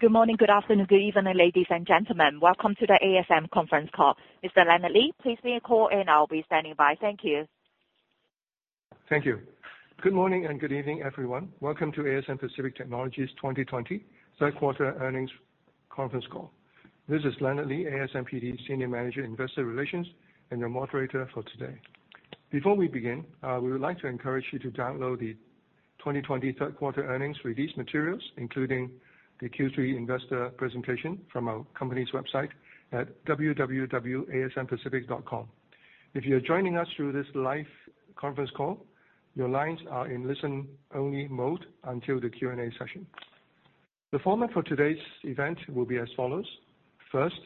Good morning, good afternoon, good evening, ladies and gentlemen. Welcome to the ASM conference call. Mr. Leonard Lee, please be on call, and I'll be standing by. Thank you. Thank you. Good morning, and good evening, everyone. Welcome to ASM Pacific Technology's 2020 Q3 earnings conference call. This is Leonard Lee, ASMPT, Senior Manager, Investor Relations, and your moderator for today. Before we begin, we would like to encourage you to download the 2020 Q3 earnings release materials, including the Q3 investor presentation from our company's website at www.asmpacific.com. If you're joining us through this live conference call, your lines are in listen-only mode until the Q&A session. The format for today's event will be as follows. First,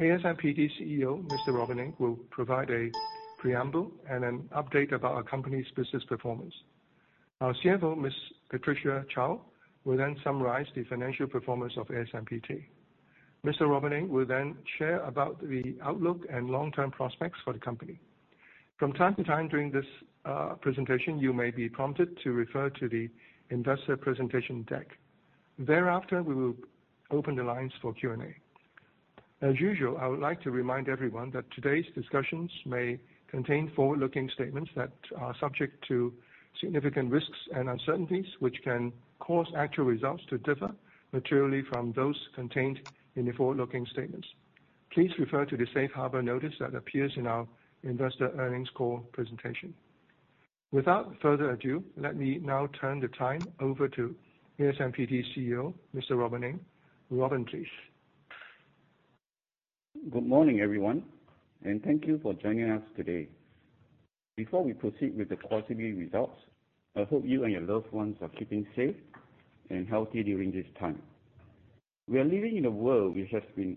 ASMPT CEO, Mr. Robin Ng, will provide a preamble and an update about our company's business performance. Our CFO, Ms. Patricia Chou, will then summarize the financial performance of ASMPT. Mr. Robin Ng will then share about the outlook and long-term prospects for the company. From time to time during this presentation, you may be prompted to refer to the investor presentation deck. Thereafter, we will open the lines for Q&A. As usual, I would like to remind everyone that today's discussions may contain forward-looking statements that are subject to significant risks and uncertainties, which can cause actual results to differ materially from those contained in the forward-looking statements. Please refer to the safe harbor notice that appears in our investor earnings call presentation. Without further ado, let me now turn the time over to ASMPT CEO, Mr. Robin Ng. Robin, please. Good morning, everyone, and thank you for joining us today. Before we proceed with the quarterly results, I hope you and your loved ones are keeping safe and healthy during this time. We are living in a world which has been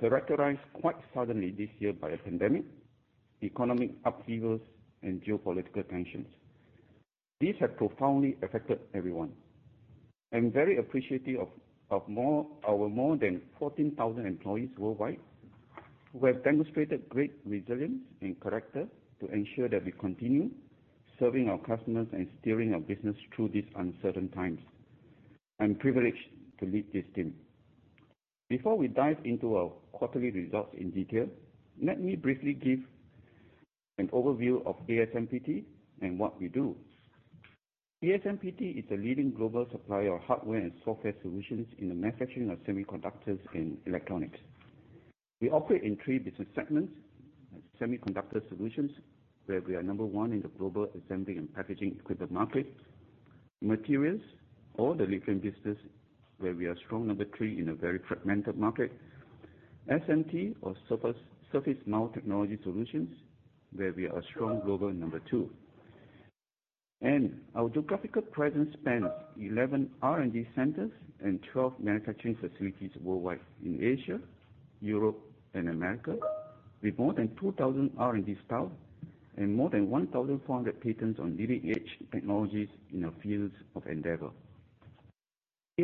characterized quite suddenly this year by a pandemic, economic upheavals, and geopolitical tensions. These have profoundly affected everyone. I'm very appreciative of our more than 14,000 employees worldwide who have demonstrated great resilience and character to ensure that we continue serving our customers and steering our business through these uncertain times. I'm privileged to lead this team. Before we dive into our quarterly results in detail, let me briefly give an overview of ASMPT and what we do. ASMPT is a leading global supplier of hardware and software solutions in the manufacturing of semiconductors and electronics. We operate in three business segments: Semiconductor Solutions, where we are number one in the global assembly and packaging equipment market; Materials, or the Leadframe Business, where we are strong number three in a very fragmented market; SMT, or Surface Mount Technology Solutions, where we are strong global number two. Our geographical presence spans 11 R&D centers and 12 manufacturing facilities worldwide in Asia, Europe, and America, with more than 2,000 R&D staff and more than 1,400 patents on leading-edge technologies in our fields of endeavor.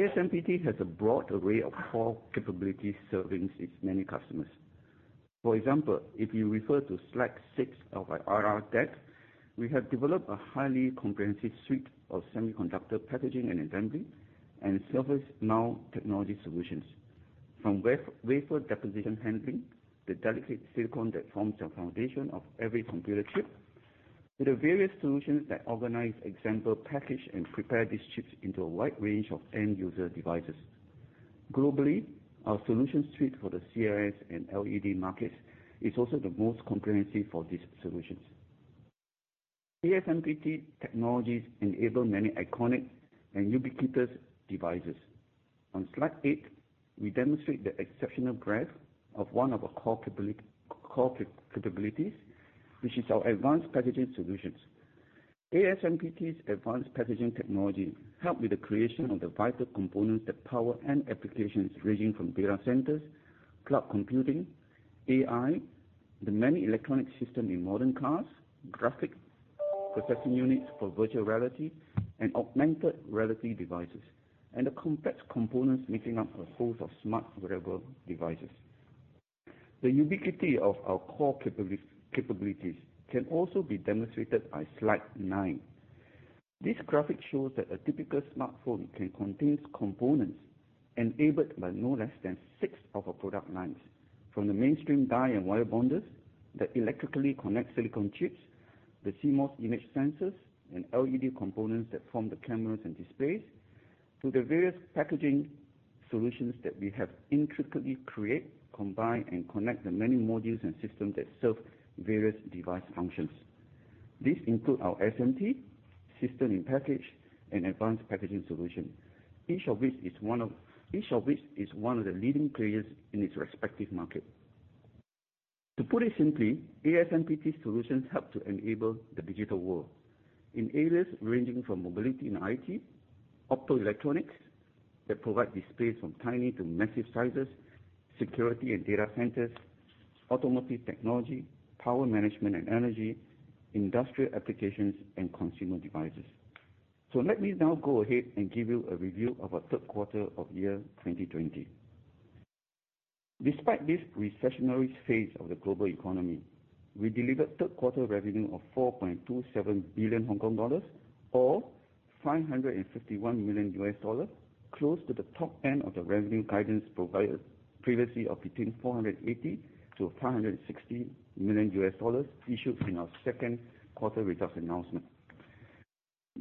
ASMPT has a broad array of core capabilities serving its many customers. For example, if you refer to slide 6 of our IR deck, we have developed a highly comprehensive suite of semiconductor packaging and assembly and Surface Mount Technology Solutions. From wafer deposition handling, the delicate silicon that forms the foundation of every computer chip, to the various solutions that organize, example, package, and prepare these chips into a wide range of end-user devices. Globally, our solution suite for the CIS and LED markets is also the most comprehensive for these solutions. ASMPT technologies enable many iconic and ubiquitous devices. On slide 8, we demonstrate the exceptional breadth of one of our core capabilities, which is our advanced packaging solutions. ASMPT's advanced packaging technology help with the creation of the vital components that power end applications ranging from data centers, cloud computing, AI, the many electronic system in modern cars, graphic processing units for virtual reality and augmented reality devices, and the complex components making up a host of smart wearable devices. The ubiquity of our core capabilities can also be demonstrated by slide nine. This graphic shows that a typical smartphone can contain components enabled by no less than six of our product lines, from the mainstream die and wire bonders that electrically connect silicon chips, the CMOS image sensors, and LED components that form the cameras and displays to the various packaging solutions that we have intricately create, combine, and connect the many modules and systems that serve various device functions. These include our SMT, system in package, and Advanced Packaging solution, each of which is one of the leading players in its respective market. To put it simply, ASMPT solutions help to enable the digital world in areas ranging from mobility and IT, optoelectronics that provide displays from tiny to massive sizes, security and data centers, automotive technology, power management and energy, industrial applications, and consumer devices. Let me now go ahead and give you a review of our Q3 of year 2020. Despite this recessionary phase of the global economy, we delivered Q3 revenue of 4.27 billion Hong Kong dollars or $551 million, close to the top end of the revenue guidance provided previously of between $480 million-$560 million issued in our Q2 results announcement.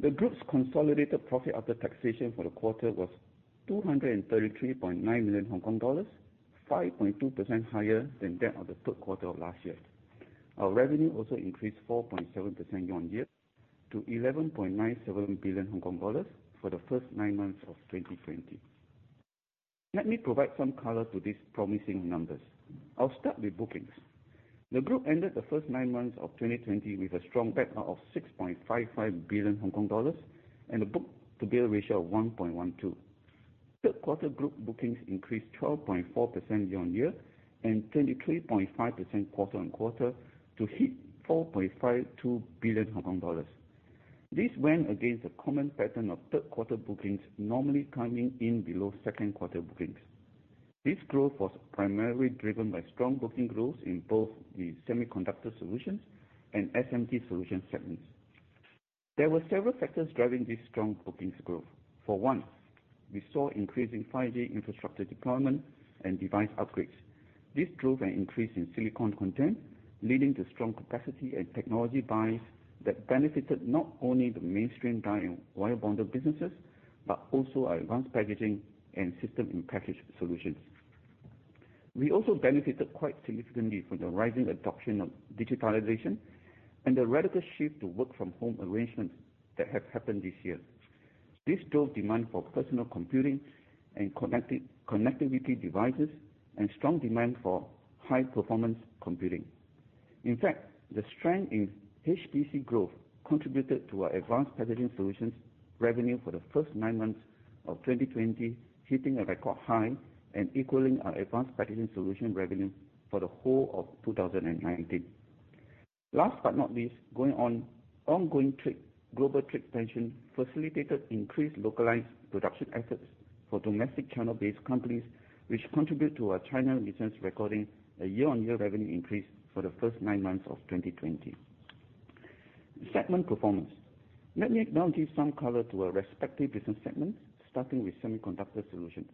The group's consolidated profit after taxation for the quarter was 233.9 million Hong Kong dollars, 5.2% higher than that of the Q3 of last year. Our revenue also increased 4.7% year-on-year to 11.97 billion Hong Kong dollars for the first nine months of 2020. Let me provide some color to these promising numbers. I'll start with bookings. The group ended the first nine months of 2020 with a strong backlog of 6.55 billion Hong Kong dollars and a book-to-bill ratio of 1.12. Q3 group bookings increased 12.4% year-on-year and 23.5% quarter-on-quarter to hit 4.52 billion Hong Kong dollars. This went against the common pattern of Q3 bookings normally coming in below Q2 bookings. This growth was primarily driven by strong booking growth in both the Semiconductor Solutions and SMT Solutions segments. There were several factors driving this strong bookings growth. For one, we saw increasing 5G infrastructure deployment and device upgrades. This drove an increase in silicon content, leading to strong capacity and technology buys that benefited not only the mainstream die and wirebond businesses but also our Advanced Packaging and System in Package solutions. We also benefited quite significantly from the rising adoption of digitalization and the radical shift to work from home arrangements that have happened this year. This drove demand for personal computing and connectivity devices and strong demand for high-performance computing. In fact, the strength in HPC growth contributed to our Advanced Packaging solutions revenue for the first nine months of 2020, hitting a record high and equaling our Advanced Packaging solution revenue for the whole of 2019. Last but not least, ongoing global trade tension facilitated increased localized production efforts for domestic China-based companies, which contribute to our China business recording a year-on-year revenue increase for the first nine months of 2020. Segment performance. Let me now give some color to our respective business segments, starting with Semiconductor Solutions.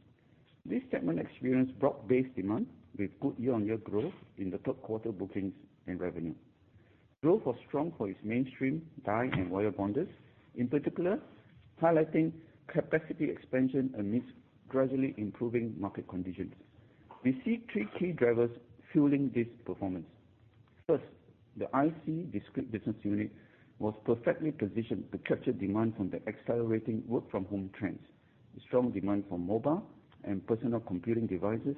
This segment experienced broad-based demand with good year-on-year growth in the Q3 bookings and revenue. Growth was strong for its mainstream die and wire bonds, in particular highlighting capacity expansion amidst gradually improving market conditions. We see three key drivers fueling this performance. First, the IC discrete business unit was perfectly positioned to capture demand from the accelerating work from home trends. The strong demand for mobile and personal computing devices,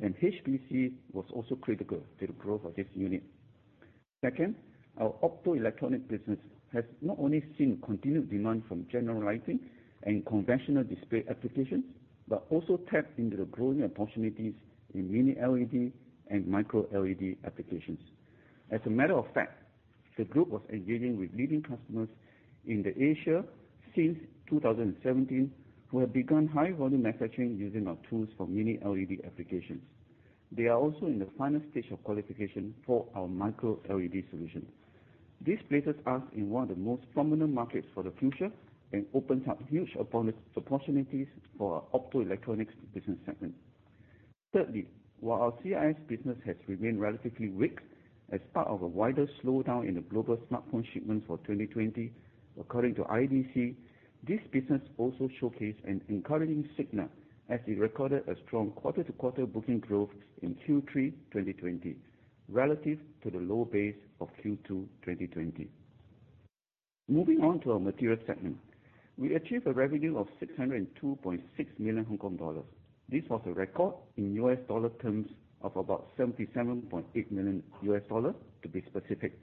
and HPC was also critical to the growth of this unit. Second, our optoelectronic business has not only seen continued demand from general lighting and conventional display applications, but also tapped into the growing opportunities in Mini LED and Micro LED applications. As a matter of fact, the group was engaging with leading customers in Asia since 2017 who have begun high volume manufacturing using our tools for Mini LED applications. They are also in the final stage of qualification for our Micro LED solution. This places us in one of the most prominent markets for the future and opens up huge opportunities for our optoelectronics business segment. Thirdly, while our CIS business has remained relatively weak as part of a wider slowdown in the global smartphone shipments for 2020, according to IDC, this business also showcased an encouraging signal as it recorded a strong quarter-to-quarter booking growth in Q3 2020 relative to the low base of Q2 2020. Moving on to our materials segment, we achieved a revenue of 602.6 million Hong Kong dollars. This was a record in US dollar terms of about $77.8 million, to be specific.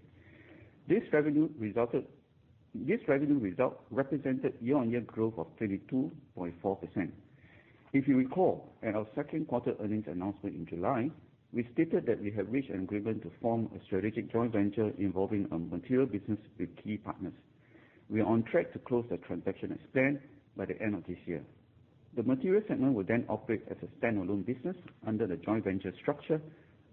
This revenue result represented year-on-year growth of 32.4%. If you recall, at our Q2 earnings announcement in July, we stated that we have reached an agreement to form a strategic joint venture involving our material business with key partners. We are on track to close the transaction as planned by the end of this year. The material segment will then operate as a standalone business under the joint venture structure,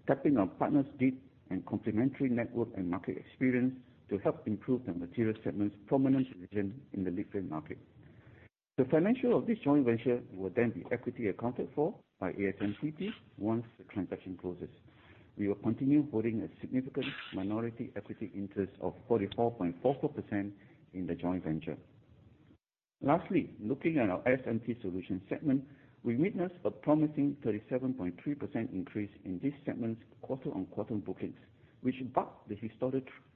tapping on partners' deep and complementary network and market experience to help improve the material segment's prominent position in the lead market. The financial of this joint venture will then be equity accounted for by ASMPT once the transaction closes. We will continue holding a significant minority equity interest of 44.44% in the joint venture. Lastly, looking at our SMT Solutions segment, we witnessed a promising 37.3% increase in this segment's quarter-on-quarter bookings, which bucked the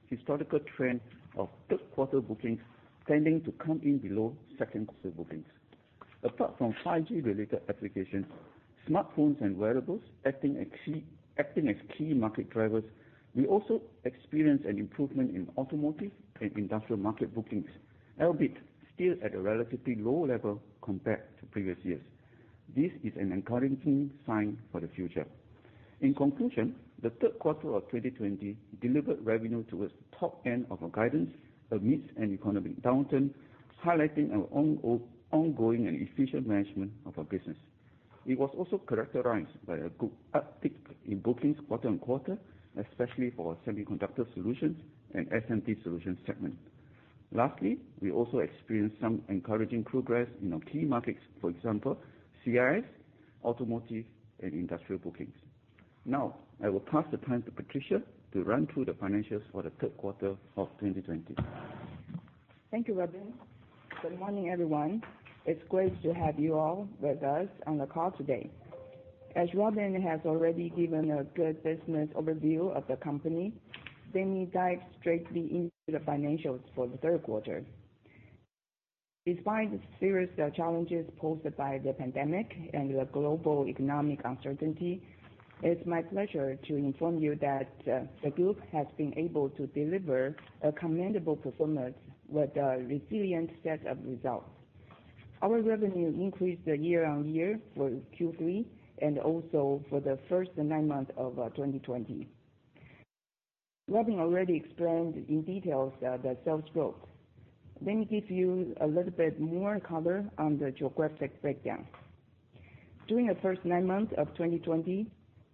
historical trend of Q3 bookings tending to come in below Q2 bookings. Apart from 5G related applications, smartphones and wearables acting as key market drivers, we also experienced an improvement in automotive and industrial market bookings, albeit still at a relatively low level compared to previous years. This is an encouraging sign for the future. In conclusion, the Q3 of 2020 delivered revenue towards the top end of our guidance amidst an economic downturn, highlighting our ongoing and efficient management of our business. It was also characterized by a good uptick in bookings quarter-on-quarter, especially for our Semiconductor Solutions and SMT Solutions segment. Lastly, we also experienced some encouraging progress in our key markets, for example, CIS, automotive, and industrial bookings. Now, I will pass the time to Patricia to run through the financials for the Q3 of 2020. Thank you, Robin. Good morning, everyone. It's great to have you all with us on the call today. As Robin has already given a good business overview of the company, let me dive straightly into the financials for the Q3. Despite the serious challenges posed by the pandemic and the global economic uncertainty, it's my pleasure to inform you that the group has been able to deliver a commendable performance with a resilient set of results. Our revenue increased year-over-year for Q3, and also for the first nine months of 2020. Robin already explained in details the sales growth. Let me give you a little bit more color on the geographic breakdown. During the first nine months of 2020,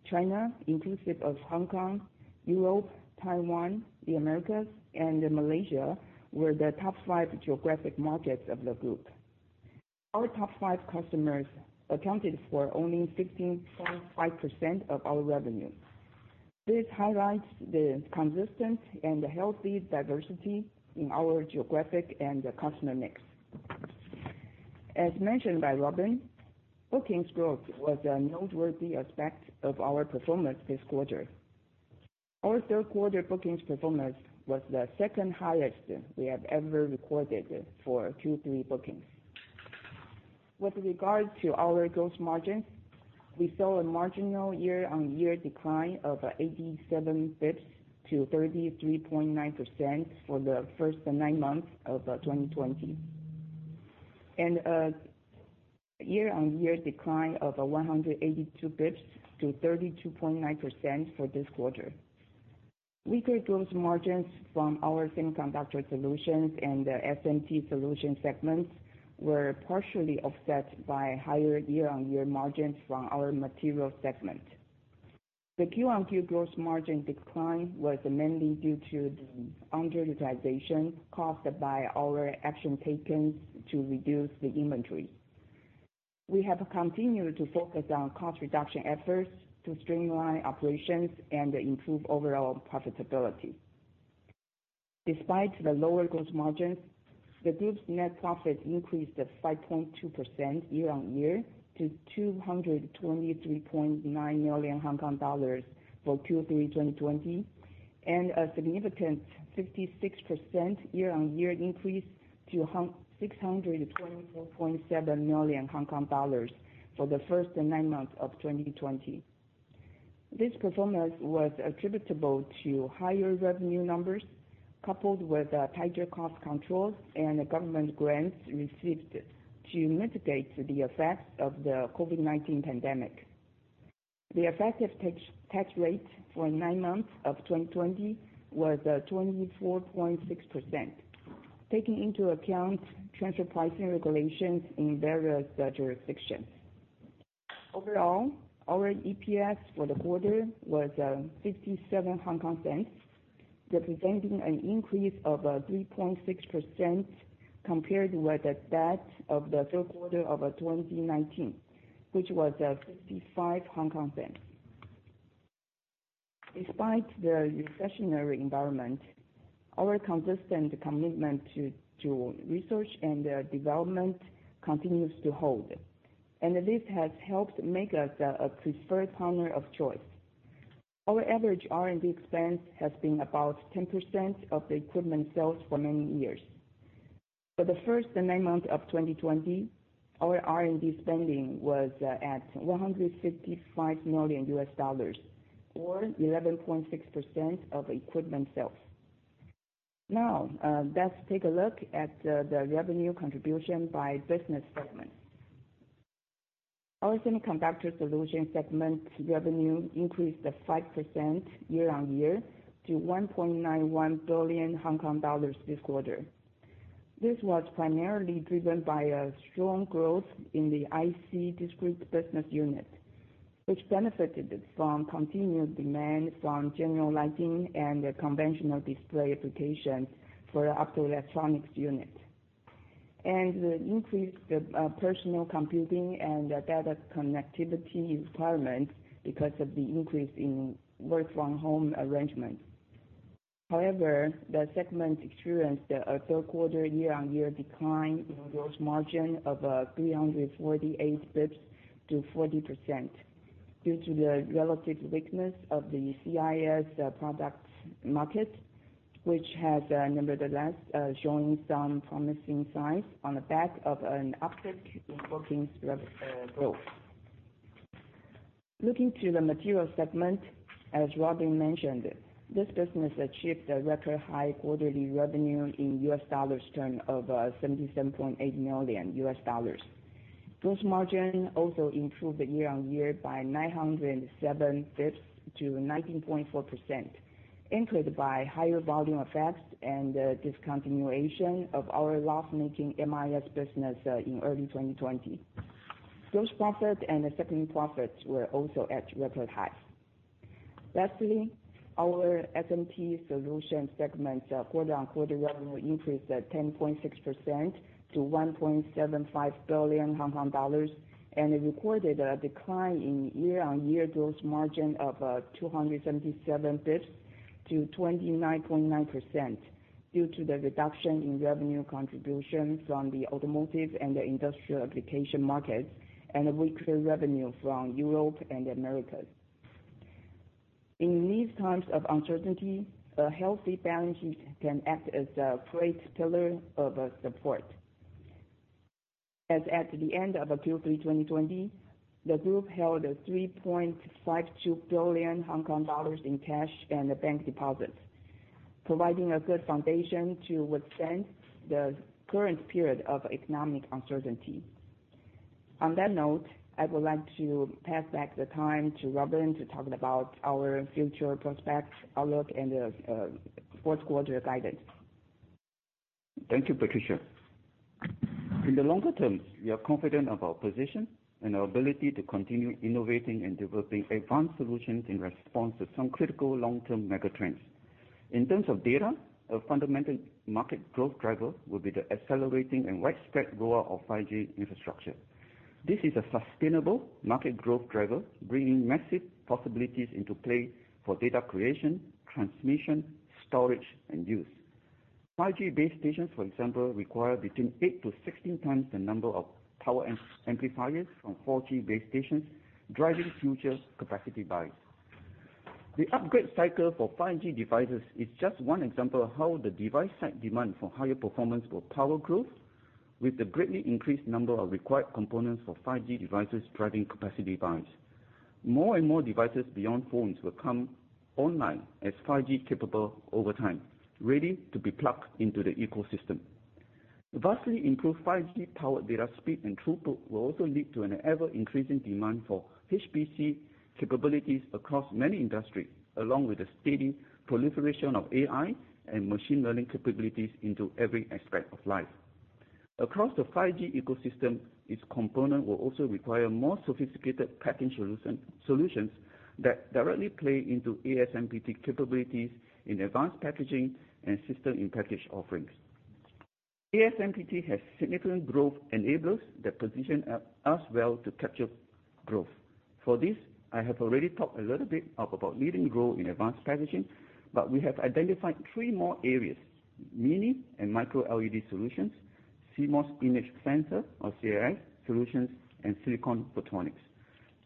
China, inclusive of Hong Kong, Europe, Taiwan, the Americas, and Malaysia were the top five geographic markets of the group. Our top five customers accounted for only 50.5% of our revenue. This highlights the consistent and healthy diversity in our geographic and customer mix. As mentioned by Robin, bookings growth was a noteworthy aspect of our performance this quarter. Our Q3 bookings performance was the second highest we have ever recorded for Q3 bookings. With regard to our gross margin, we saw a marginal year-on-year decline of 87 bps to 33.9% for the first nine months of 2020. A year-on-year decline of 182 bps to 32.9% for this quarter. Weaker gross margins from our Semiconductor Solutions and the SMT Solutions segments were partially offset by higher year-on-year margins from our Materials segment. The Q-on-Q gross margin decline was mainly due to the underutilization caused by our action taken to reduce the inventory. We have continued to focus on cost reduction efforts to streamline operations and improve overall profitability. Despite the lower gross margins, the group's net profit increased 5.2% year-on-year to 223.9 million Hong Kong dollars for Q3 2020, and a significant 56% year-on-year increase to 624.7 million Hong Kong dollars for the first nine months of 2020. This performance was attributable to higher revenue numbers, coupled with tighter cost controls and government grants received to mitigate the effects of the COVID-19 pandemic. The effective tax rate for nine months of 2020 was 24.6%, taking into account transfer pricing regulations in various jurisdictions. Overall, our EPS for the quarter was 0.57, representing an increase of 3.6% compared with that of the Q3 of 2019, which was 0.55 Hong Kong. Despite the recessionary environment, our consistent commitment to research and development continues to hold, and this has helped make us a preferred partner of choice. Our average R&D expense has been about 10% of the equipment sales for many years. For the first nine months of 2020, our R&D spending was at $155 million, or 11.6% of equipment sales. Let's take a look at the revenue contribution by business segment. Our Semiconductor Solutions segment revenue increased 5% year-on-year to 1.91 billion Hong Kong dollars this quarter. This was primarily driven by a strong growth in the IC Discrete business unit, which benefited from continued demand from general lighting and conventional display applications for optoelectronics unit, and increased personal computing and data connectivity requirements because of the increase in work from home arrangement. The segment experienced a Q3 year-on-year decline in gross margin of 348 bps to 40% due to the relative weakness of the CIS products market, which has, nevertheless, shown some promising signs on the back of an uptick in bookings growth. Looking to the Materials segment, as Robin mentioned, this business achieved a record high quarterly revenue in U.S. dollars term of $77.8 million. Gross margin also improved year-on-year by 907 bps to 19.4%, increased by higher volume effects and discontinuation of our loss-making MIS business in early 2020. Gross profit and segment profits were also at record high. Lastly, our SMT solution segment quarter-over-quarter revenue increased at 10.6% to 1.75 billion Hong Kong dollars, and it recorded a decline in year-over-year gross margin of 277 basis points to 29.9% due to the reduction in revenue contribution from the automotive and the industrial application markets, and a weaker revenue from Europe and Americas. In these times of uncertainty, a healthy balance sheet can act as a great pillar of support. As at the end of Q3 2020, the group held 3.52 billion Hong Kong dollars in cash and bank deposits, providing a good foundation to withstand the current period of economic uncertainty. On that note, I would like to pass back the time to Robin to talk about our future prospects, outlook, and the Q4 guidance. Thank you, Patricia. In the longer term, we are confident of our position and our ability to continue innovating and developing advanced solutions in response to some critical long-term mega trends. In terms of data, a fundamental market growth driver will be the accelerating and widespread rollout of 5G infrastructure. This is a sustainable market growth driver, bringing massive possibilities into play for data creation, transmission, storage, and use. 5G base stations, for example, require between 8x to 16x the number of power amplifiers from 4G base stations, driving future capacity buys. The upgrade cycle for 5G devices is just one example of how the device side demand for higher performance will power growth with the greatly increased number of required components for 5G devices driving capacity buys. More and more devices beyond phones will come online as 5G capable over time, ready to be plugged into the ecosystem. Vastly improved 5G powered data speed and throughput will also lead to an ever-increasing demand for HPC capabilities across many industries, along with the steady proliferation of AI and machine learning capabilities into every aspect of life. Across the 5G ecosystem, its component will also require more sophisticated packing solutions that directly play into ASMPT capabilities in advanced packaging and system-in-package offerings. ASMPT has significant growth enablers that position us well to capture growth. For this, I have already talked a little bit about leading growth in advanced packaging, but we have identified three more areas, Mini LED and Micro LED solutions, CMOS image sensor or CIS solutions, and silicon photonics.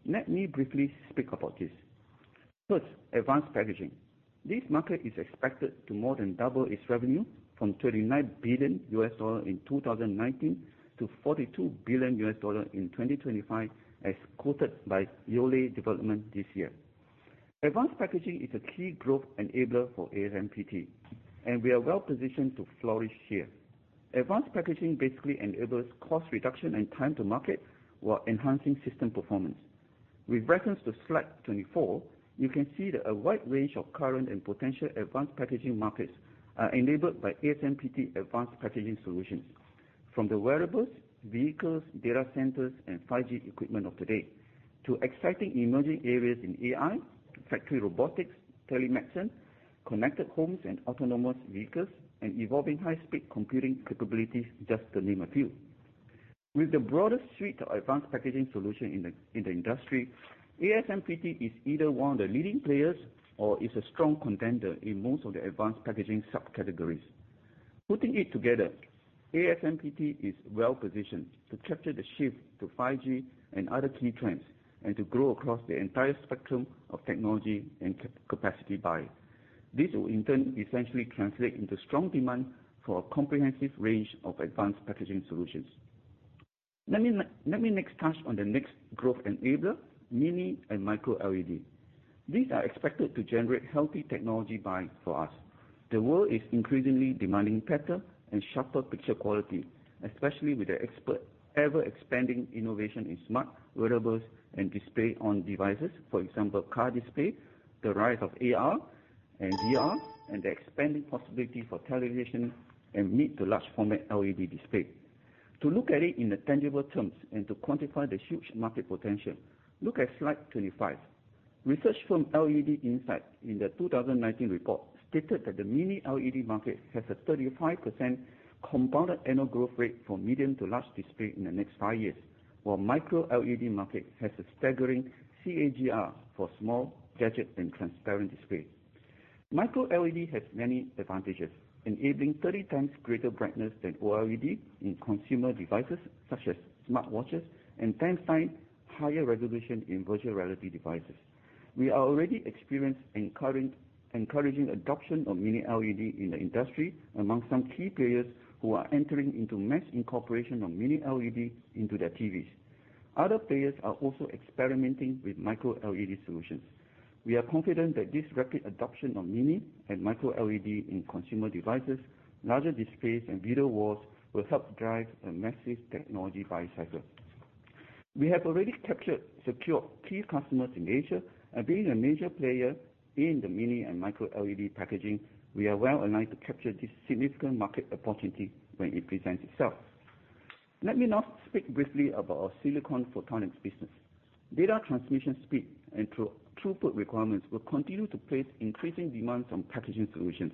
Let me briefly speak about this. First, advanced packaging. This market is expected to more than double its revenue from $39 billion in 2019 to $42 billion in 2025, as quoted by Yole Group this year. Advanced packaging is a key growth enabler for ASMPT, and we are well positioned to flourish here. Advanced packaging basically enables cost reduction and time to market while enhancing system performance. With reference to slide 24, you can see that a wide range of current and potential advanced packaging markets are enabled by ASMPT advanced packaging solutions. From the wearables, vehicles, data centers, and 5G equipment of today to exciting emerging areas in AI, factory robotics, telemedicine, connected homes and autonomous vehicles, and evolving high-speed computing capabilities, just to name a few. With the broadest suite of advanced packaging solution in the industry, ASMPT is either one of the leading players or is a strong contender in most of the advanced packaging subcategories. Putting it together, ASMPT is well-positioned to capture the shift to 5G and other key trends, and to grow across the entire spectrum of technology and capacity buy. This will in turn essentially translate into strong demand for a comprehensive range of advanced packaging solutions. Let me next touch on the next growth enabler, Mini LED and Micro LED. These are expected to generate healthy technology buy for us. The world is increasingly demanding better and sharper picture quality, especially with the ever-expanding innovation in smart wearables and display on devices. For example, car display, the rise of AR and VR and the expanding possibility for television and mid to large format LED display. To look at it in tangible terms and to quantify the huge market potential, look at slide 25. Research firm LEDinside in their 2019 report stated that the Mini LED market has a 35% compounded annual growth rate from medium to large display in the next five years, while Micro LED market has a staggering CAGR for small gadget and transparent display. Micro LED has many advantages, enabling 30x greater brightness than OLED in consumer devices such as smartwatches and times higher resolution in virtual reality devices. We are already experienced encouraging adoption of Mini LED in the industry among some key players who are entering into mass incorporation of Mini LED into their TVs. Other players are also experimenting with Micro LED solutions. We are confident that this rapid adoption of Mini and Micro LED in consumer devices, larger displays, and video walls will help drive a massive technology buy cycle. We have already captured secure key customers in Asia, and being a major player in the Mini LED and Micro LED packaging, we are well-aligned to capture this significant market opportunity when it presents itself. Let me now speak briefly about our silicon photonics business. Data transmission speed and throughput requirements will continue to place increasing demands on packaging solutions.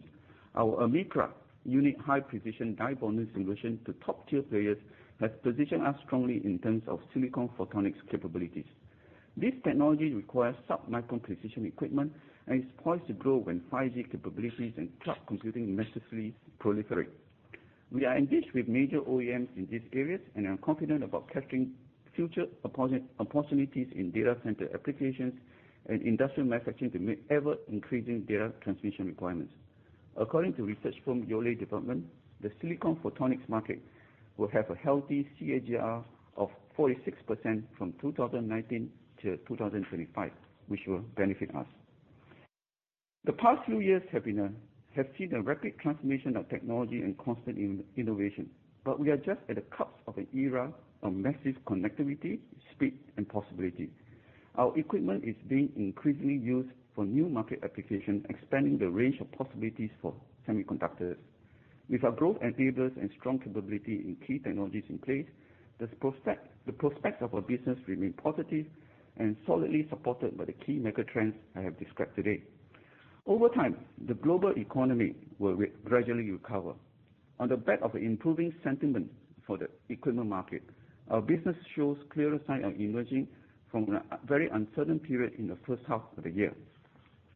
Our AMICRA unique high-precision die bonding solution to top-tier players has positioned us strongly in terms of silicon photonics capabilities. This technology requires sub-micron precision equipment and is poised to grow when 5G capabilities and cloud computing massively proliferate. We are engaged with major OEMs in these areas and are confident about capturing future opportunities in data center applications and industrial manufacturing to meet ever-increasing data transmission requirements. According to research firm Yole Développement, the silicon photonics market will have a healthy CAGR of 46% from 2019 to 2025, which will benefit us. The past few years have seen a rapid transformation of technology and constant innovation, but we are just at the cusp of an era of massive connectivity, speed, and possibility. Our equipment is being increasingly used for new market application, expanding the range of possibilities for semiconductors. With our growth enablers and strong capability in key technologies in place, the prospects of our business remain positive and solidly supported by the key mega trends I have described today. Over time, the global economy will gradually recover. On the back of improving sentiment for the equipment market, our business shows clearer sign of emerging from a very uncertain period in the first half of the year.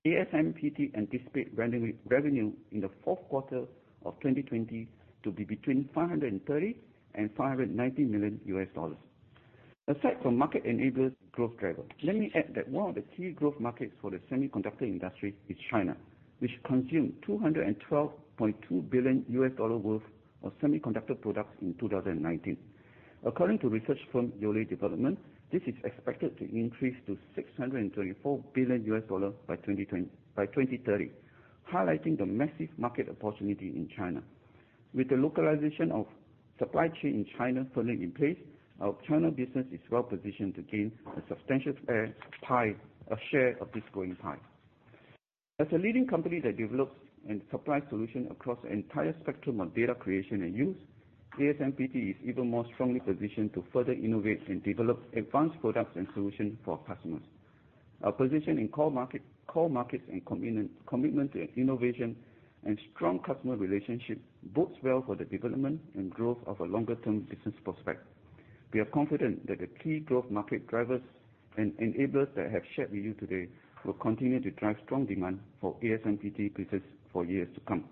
ASMPT anticipate revenue in the Q4 of 2020 to be between $530 million and $590 million. Aside from market enablers growth driver, let me add that one of the key growth markets for the semiconductor industry is China, which consumed $212.2 billion worth of semiconductor products in 2019. According to research firm Yole Développement, this is expected to increase to $624 billion by 2030, highlighting the massive market opportunity in China. With the localization of supply chain in China firmly in place, our China business is well positioned to gain a substantial share of this growing pie. As a leading company that develops and supplies solution across the entire spectrum of data creation and use, ASMPT is even more strongly positioned to further innovate and develop advanced products and solution for our customers. Our position in core markets and commitment to innovation and strong customer relationship bodes well for the development and growth of a longer-term business prospect. We are confident that the key growth market drivers and enablers that I have shared with you today will continue to drive strong demand for ASMPT business for years to come.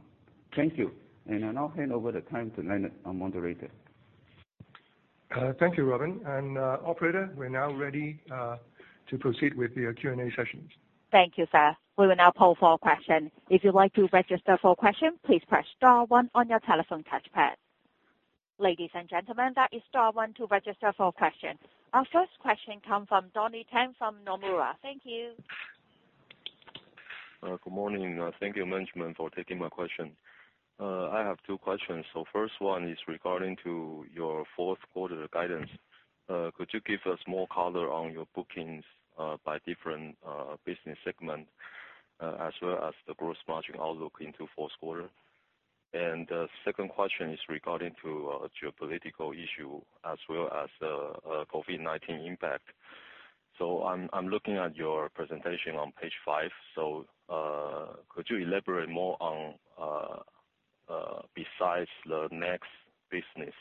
Thank you. I now hand over the time to Leonard, our moderator. Thank you, Robin. Operator, we're now ready to proceed with the Q&A sessions. Thank you, sir. We will now poll for a question. If you'd like to register for a question, please press star one on your telephone touchpad. Ladies and gentlemen, that is star one to register for a question. Our first question come from Donnie Teng from Nomura. Thank you. Good morning. Thank you, management, for taking my question. I have two questions. First one is regarding to your Q4 guidance. Could you give us more color on your bookings by different business segment, as well as the gross margin outlook into Q4? Second question is regarding to geopolitical issue as well as COVID-19 impact. I'm looking at your presentation on page 5. Could you elaborate more on, besides the NEXX business,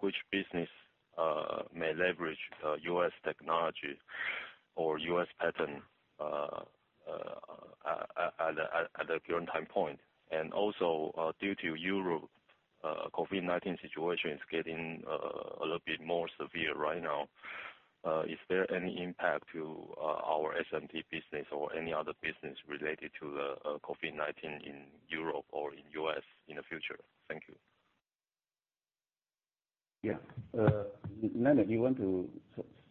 which business may leverage U.S. technology or U.S. pattern at the current time point? Due to Europe COVID-19 situation is getting a little bit more severe right now, is there any impact to our SMT business or any other business related to the COVID-19 in Europe or in U.S. in the future? Thank you. Yeah. Leonard, you want to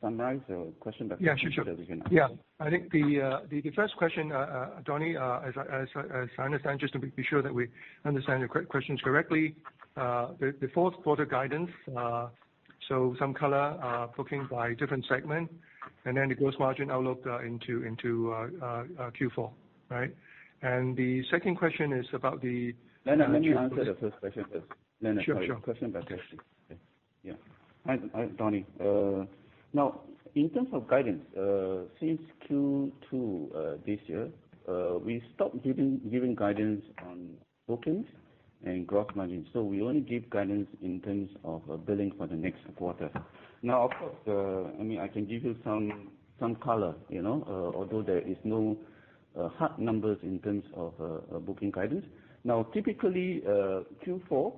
summarize the question- Yeah, sure. -that we can answer? I think the first question, Donnie, as I understand, just to be sure that we understand your questions correctly, the Q4 guidance, so some color booking by different segment, and then the gross margin outlook into Q4, right? Leonard, let me answer the first question first. Sure. Yeah. Hi, Donnie. Now, in terms of guidance, since Q2 this year, we stopped giving guidance on bookings and gross margin. We only give guidance in terms of billing for the next quarter. Now, of course, I can give you some color, although there is no hard numbers in terms of booking guidance. Now, typically, Q4,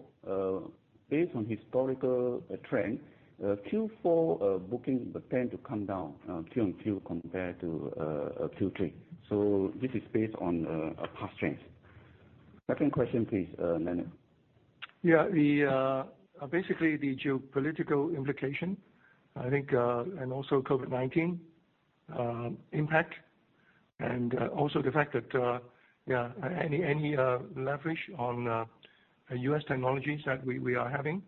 based on historical trend, Q4 bookings tend to come down QoQ compared to Q3. This is based on past trends. Second question please, Leonard. Basically, the geopolitical implication, I think, and also COVID-19 impact, and also the fact that any leverage on U.S. technologies that we are having.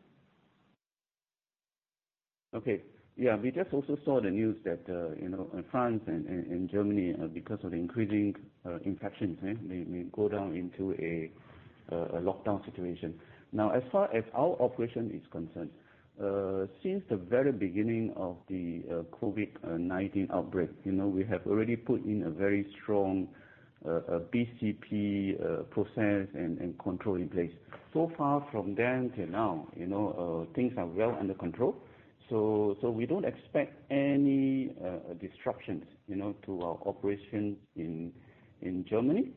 Okay. Yeah. We just also saw the news that in France and Germany, because of the increasing infections, may go down into a lockdown situation. As far as our operation is concerned, since the very beginning of the COVID-19 outbreak, we have already put in a very strong BCP process and control in place. Far from then till now, things are well under control. We don't expect any disruptions to our operations in Germany.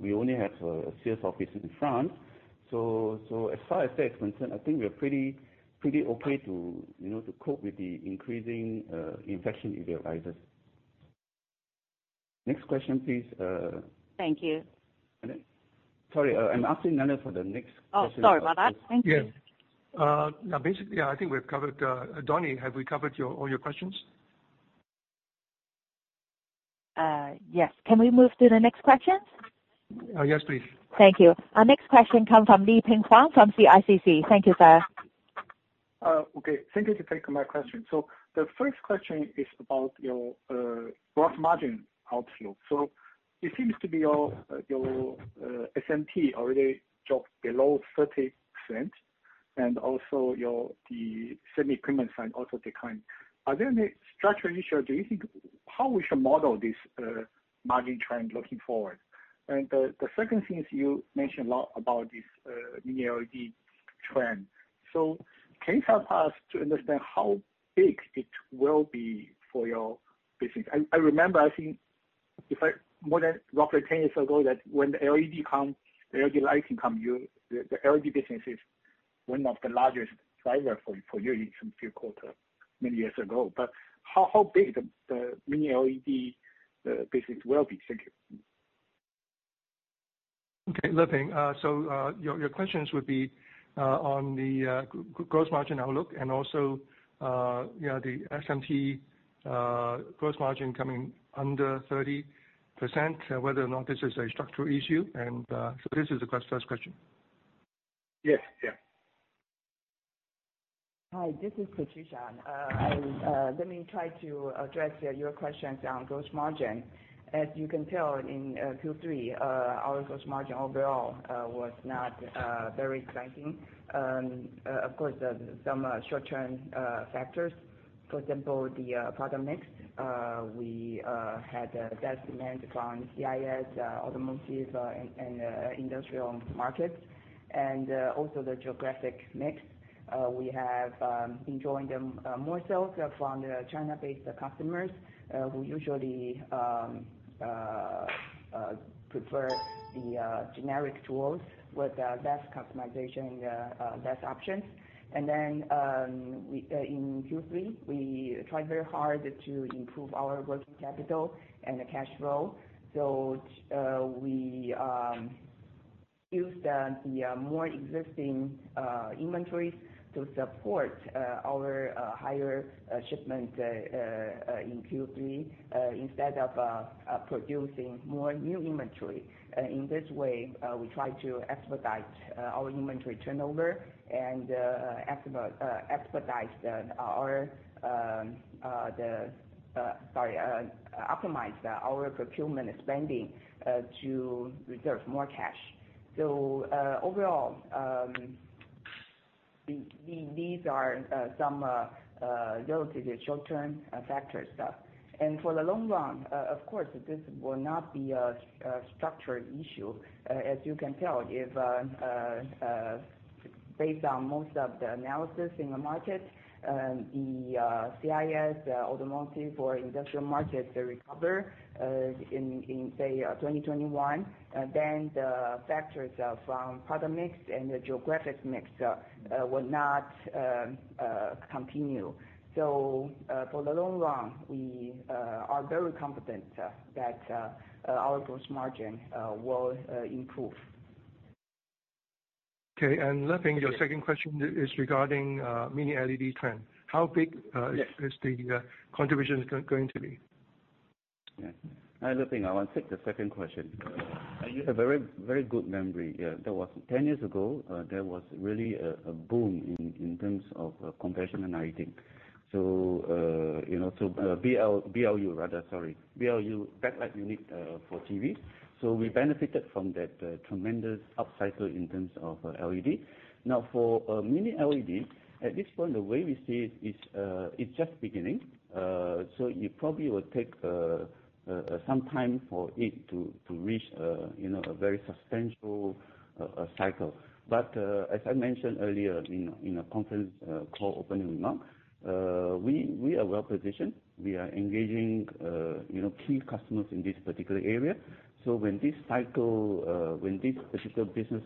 We only have a sales office in France. As far as that is concerned, I think we are pretty okay to cope with the increasing infection if it rises. Next question, please. Thank you. Sorry, I'm asking Leonard for the next question. Oh, sorry about that. Thank you. Yes. Now basically, I think we've covered Donnie, have we covered all your questions? Yes. Can we move to the next questions? Yes, please. Thank you. Our next question comes from Liping Zhao from CICC. Thank you, sir. Okay. Thank you for taking my question. The first question is about your gross margin outlook. It seems to be your SMT already dropped below 30%, and also the semi-payment side also declined. Are there any structural issues? How we should model this margin trend looking forward? The second thing is you mentioned a lot about this Mini LED trend. Can you help us to understand how big it will be for your business? I remember, I think, if I more than roughly 10 years ago, that when the LED come, the LED lighting come, the LED business is one of the largest driver for you in some few quarter, many years ago. How big the Mini LED business will be? Thank you. Okay. Liping, your questions would be on the gross margin outlook and also the SMT gross margin coming under 30%, whether or not this is a structural issue. This is the first question. Yes. Hi, this is Patricia. Let me try to address your questions on gross margin. As you can tell in Q3, our gross margin overall was not very exciting. Of course, some short-term factors, for example, the product mix. We had less demand from CIS, automotives, and industrial markets. The geographic mix. We have been joined more so from the China-based customers who usually prefer the generic tools with less customization and less options. In Q3, we tried very hard to improve our working capital and the cash flow. We used the more existing inventories to support our higher shipment in Q3, instead of producing more new inventory. In this way, we try to expedite our inventory turnover and optimize our procurement spending to reserve more cash. These are some relatively short-term factors. For the long run, of course, this will not be a structural issue. As you can tell, based on most of the analysis in the market, the CIS, automotive, or industrial markets, they recover in, say, 2021, then the factors from product mix and the geographic mix will not continue. For the long run, we are very confident that our gross margin will improve. Okay. Liping, your second question is regarding Mini-LED trend. How big is the contribution going to be? Yeah. Liping, I will take the second question. You have very good memory. Yeah, that was 10 years ago, there was really a boom in terms of compression and lighting. BLU rather, sorry. BLU, backlight unit for TV. We benefited from that tremendous upcycle in terms of LED. For Mini-LED, at this point, the way we see it's just beginning. It probably will take some time for it to reach a very substantial cycle. As I mentioned earlier in the conference call opening remarks, we are well-positioned. We are engaging key customers in this particular area. When this cycle, when this particular business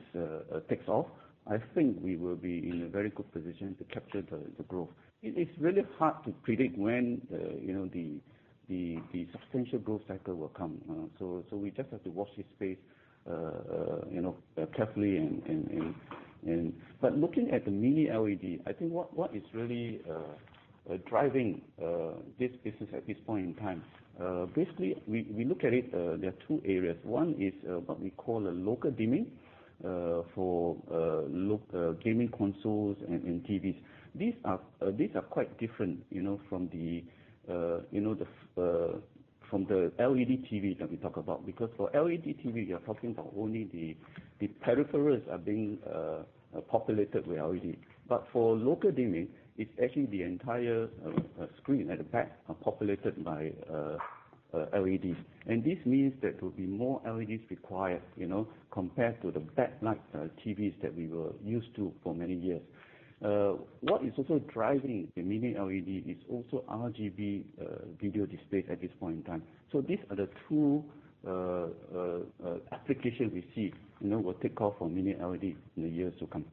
takes off, I think we will be in a very good position to capture the growth. It is really hard to predict when the substantial growth cycle will come. We just have to watch this space carefully. Looking at the Mini LED, I think what is really driving this business at this point in time, basically, we look at it, there are two areas. One is what we call a local dimming for gaming consoles and TVs. These are quite different from the LED TVs that we talk about, because for LED TVs, we are talking about only the peripherals are being populated with LED. For local dimming, it's actually the entire screen at the back are populated by LEDs. This means there will be more LEDs required, compared to the backlight TVs that we were used to for many years. What is also driving the Mini LED is also RGB video displays at this point in time. These are the two applications we see will take off for Mini LED in the years to come.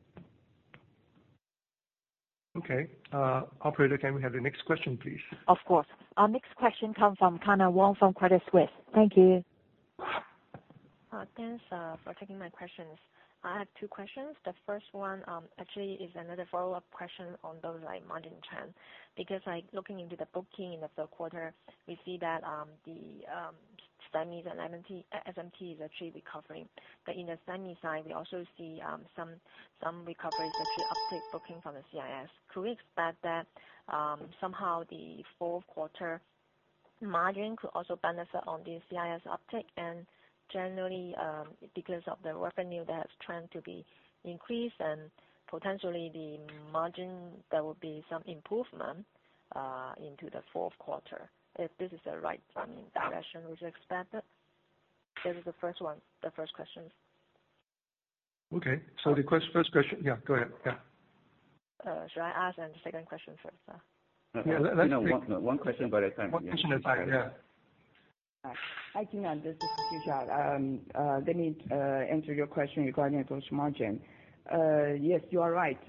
Okay. Operator, can we have the next question, please? Of course. Our next question come from Kyna Wong from Credit Suisse. Thank you. Thanks for taking my questions. I have two questions. The first one actually is another follow-up question on those margin trend. Looking into the booking of the quarter, we see that the semis and SMT is actually recovering. In the semi side, we also see some recoveries, actually uptick booking from the CIS. Could we expect that somehow the Q4 margin could also benefit on the CIS uptick? Generally, because of the revenue that has trend to be increased and potentially the margin, there will be some improvement into the fourth quarter. If this is the right direction we should expect it? This is the first question. Okay. the first question, yeah, go ahead. Yeah. Should I ask the second question first? No. One question by the time. Yeah. One question at a time. Yeah. Hi, Kyna Wong, this is Patricia. Let me answer your question regarding gross margin. Yes, you are right.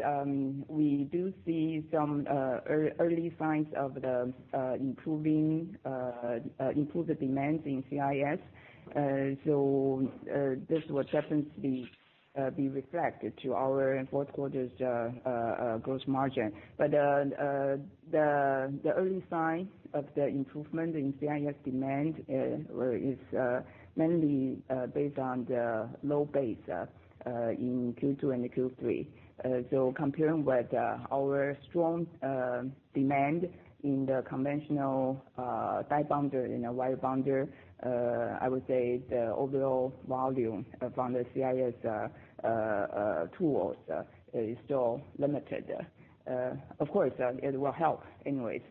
We do see some early signs of the improved demands in CIS. This will definitely be reflected to our Q4's gross margin. The early sign of the improvement in CIS demand is mainly based on the low base in Q2 and Q3. Comparing with our strong demand in the conventional die bonder and wire bonder, I would say the overall volume from the CIS tools is still limited. Of course, it will help anyways.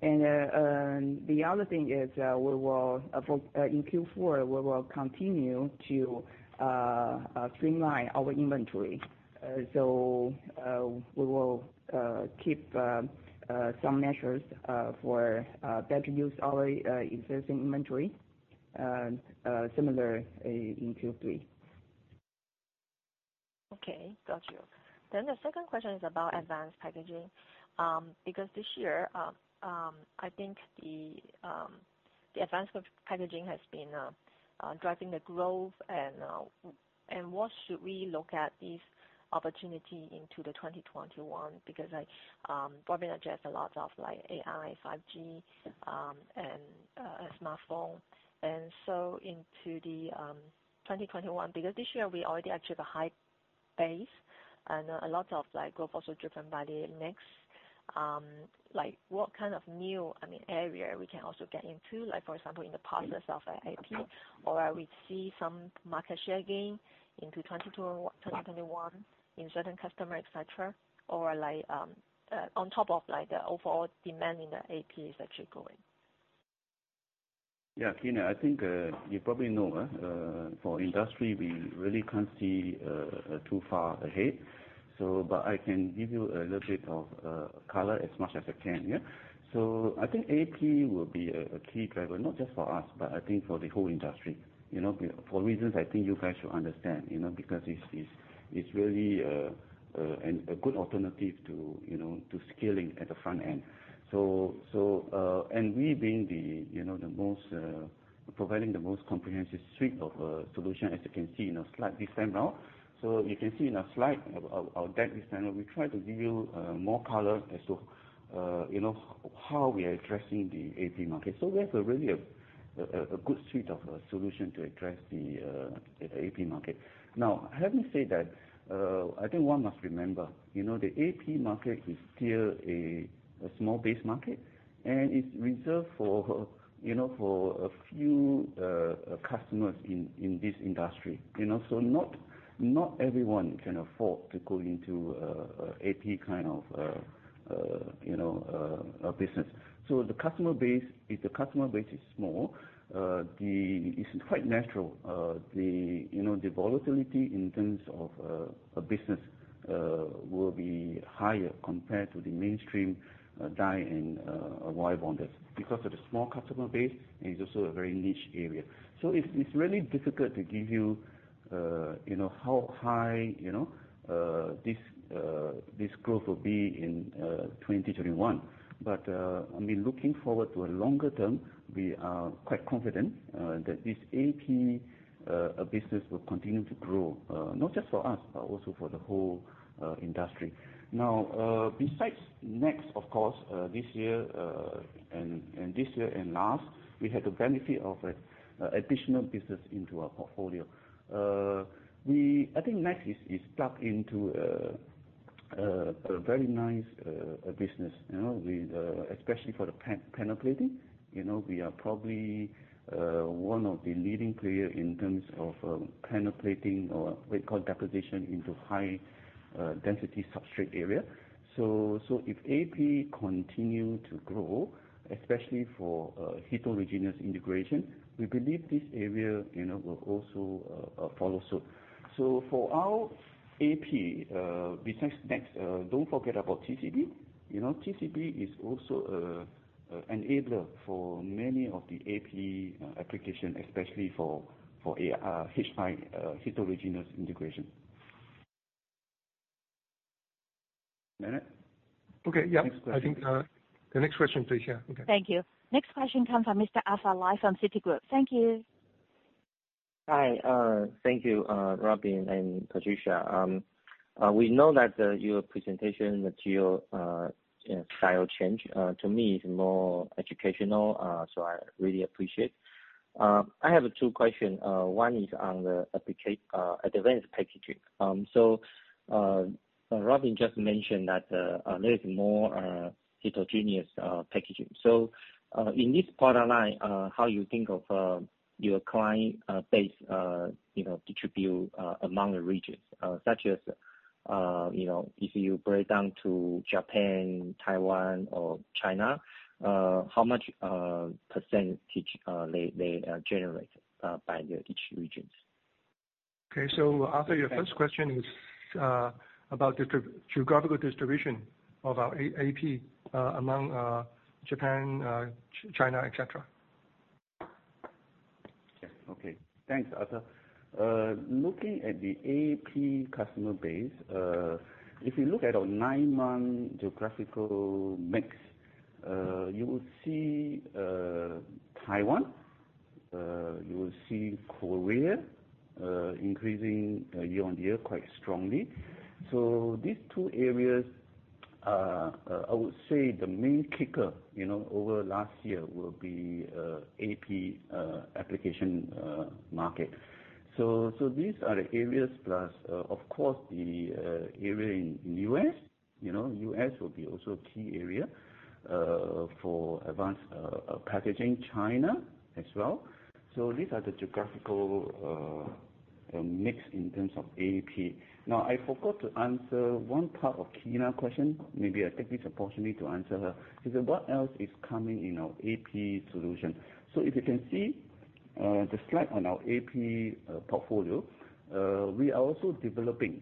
The other thing is, in Q4, we will continue to streamline our inventory. We will keep some measures for better use our existing inventory similar in Q3. Okay. Got you. The second question is about advanced packaging. This year, I think the advanced packaging has been driving the growth and what should we look at these opportunity into 2021, because Robin addressed a lot of AI, 5G, and smartphone. Into 2021, because this year we already actually have a high base and a lot of growth also driven by the NEXX. What kind of new area we can also get into, for example, in the process of IP? Or we see some market share gain into 2021 in certain customer, et cetera, or on top of the overall demand in the AP is actually growing. Kyna, I think you probably know for industry, we really can't see too far ahead. I can give you a little bit of color as much as I can. I think AP will be a key driver, not just for us, but I think for the whole industry. For reasons I think you guys should understand, because it's really a good alternative to scaling at the front end. We being providing the most comprehensive suite of solution, as you can see in our slide this time around. You can see in our slide, our deck this time around, we try to give you more color as to how we are addressing the AP market. We have really a good suite of solution to address the AP market. Having said that, I think one must remember, the AP market is still a small base market, and it's reserved for a few customers in this industry. Not everyone can afford to go into AP kind of business. If the customer base is small, it's quite natural the volatility in terms of business will be higher compared to the mainstream die and wire bonders because of the small customer base, and it's also a very niche area. It's really difficult to give you how high this growth will be in 2021. Looking forward to a longer term, we are quite confident that this AP business will continue to grow, not just for us, but also for the whole industry. Besides NEXX, of course, this year and last, we had the benefit of additional business into our portfolio. I think NEXX is stuck into a very nice business, especially for the panel plating. We are probably one of the leading players in terms of panel plating or vapor deposition into high-density substrate area. If AP continues to grow, especially for heterogeneous integration, we believe this area will also follow suit. For our AP business next, don't forget about TCB. TCB is also an enabler for many of the AP applications, especially for high heterogeneous integration. Leonard? Okay, yeah. Next question. I think the next question, please. Yeah. Okay. Thank you. Next question comes from Mr. Arthur Lai from Citigroup. Thank you. Hi. Thank you, Robin and Patricia. We know that your presentation material style change, to me, is more educational. I really appreciate. I have two questions. One is on the Advanced Packaging. Robin just mentioned that there is more heterogeneous packaging. In this product line, how you think of your client base distribute among the regions, such as if you break it down to Japan, Taiwan, or China, how much percentage they generate by each region? Okay. Arthur, your first question is about the geographical distribution of our AP among Japan, China, et cetera. Okay. Thanks, Arthur. Looking at the AP customer base, if you look at our nine-month geographical mix, you will see Taiwan, you will see Korea increasing year-on-year quite strongly. These two areas are, I would say, the main kicker over last year will be AP application market. These are the areas plus, of course, the area in U.S. U.S. will be also a key area for advanced packaging. China as well. These are the geographical mix in terms of AP. Now, I forgot to answer one part of Kyna question. Maybe I take this opportunity to answer her. She said, what else is coming in our AP solution? If you can see the slide on our AP portfolio, we are also developing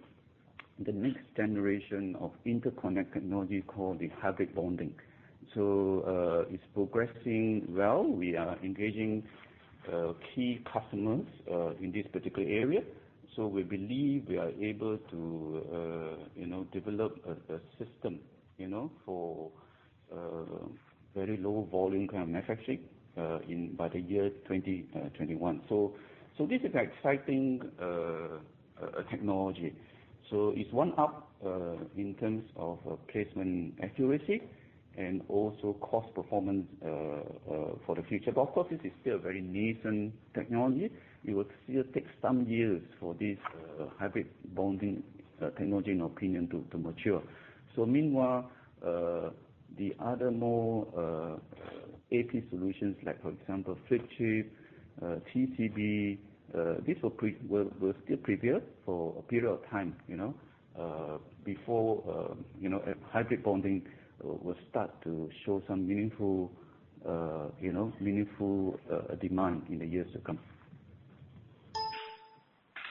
the next generation of interconnect technology called the hybrid bonding. It's progressing well. We are engaging key customers in this particular area. We believe we are able to develop a system for very low volume kind of manufacturing by the year 2021. This is an exciting technology. It's one up in terms of placement accuracy and also cost performance for the future. Of course, this is still a very nascent technology. It will still take some years for this hybrid bonding technology, in our opinion, to mature. Meanwhile, the other more AP solutions, like for example, flip chip, TCB, these will still prevail for a period of time before hybrid bonding will start to show some meaningful demand in the years to come.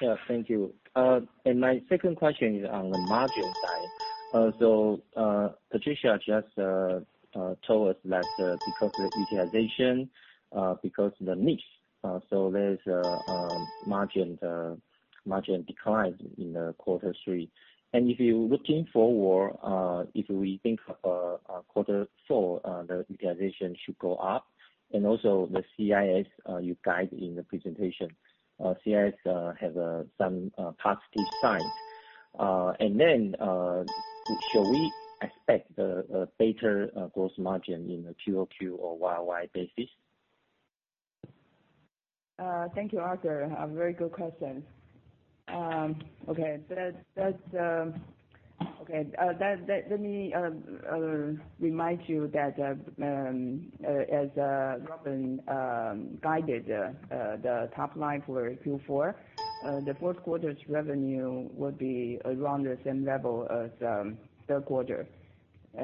Yeah. Thank you. My second question is on the margin side. Patricia just told us that because of the utilization, because of the mix, there is a margin decline in Q3. If you're looking forward, if we think of Q4, the utilization should go up, and also the CIS, you guide in the presentation. CIS have some positive signs. Should we expect a better gross margin in the quarter-over-quarter or year-over-year basis? Thank you, Arthur. A very good question. Okay. Let me remind you that as Robin guided the top line for Q4, the Q4's revenue would be around the same level as Q3. The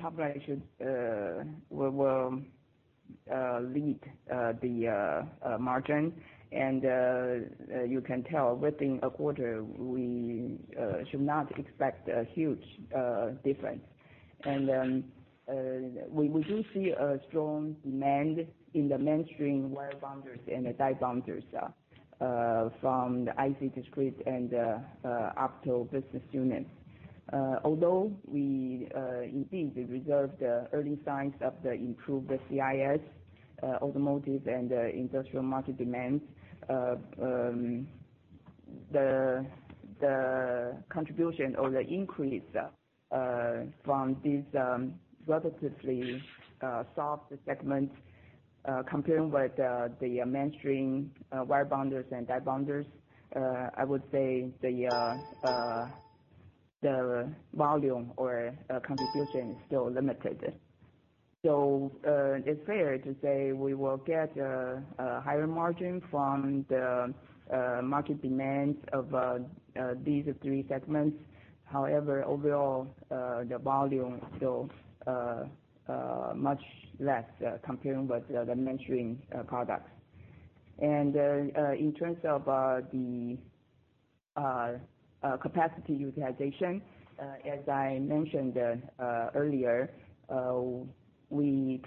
top line will lead the margin, and you can tell within a quarter, we should not expect a huge difference. We do see a strong demand in the mainstream wire bonders and the die bonders from the IC discrete and the Opto business unit. Although indeed, we observed early signs of the improved CIS, automotive, and industrial market demands. The contribution or the increase from these relatively soft segments, comparing with the mainstream wire bonders and die bonders, I would say the volume or contribution is still limited. It's fair to say we will get a higher margin from the market demands of these three segments. However, overall, the volume is still much less comparing with the mainstream products. In terms of the capacity utilization, as I mentioned earlier, we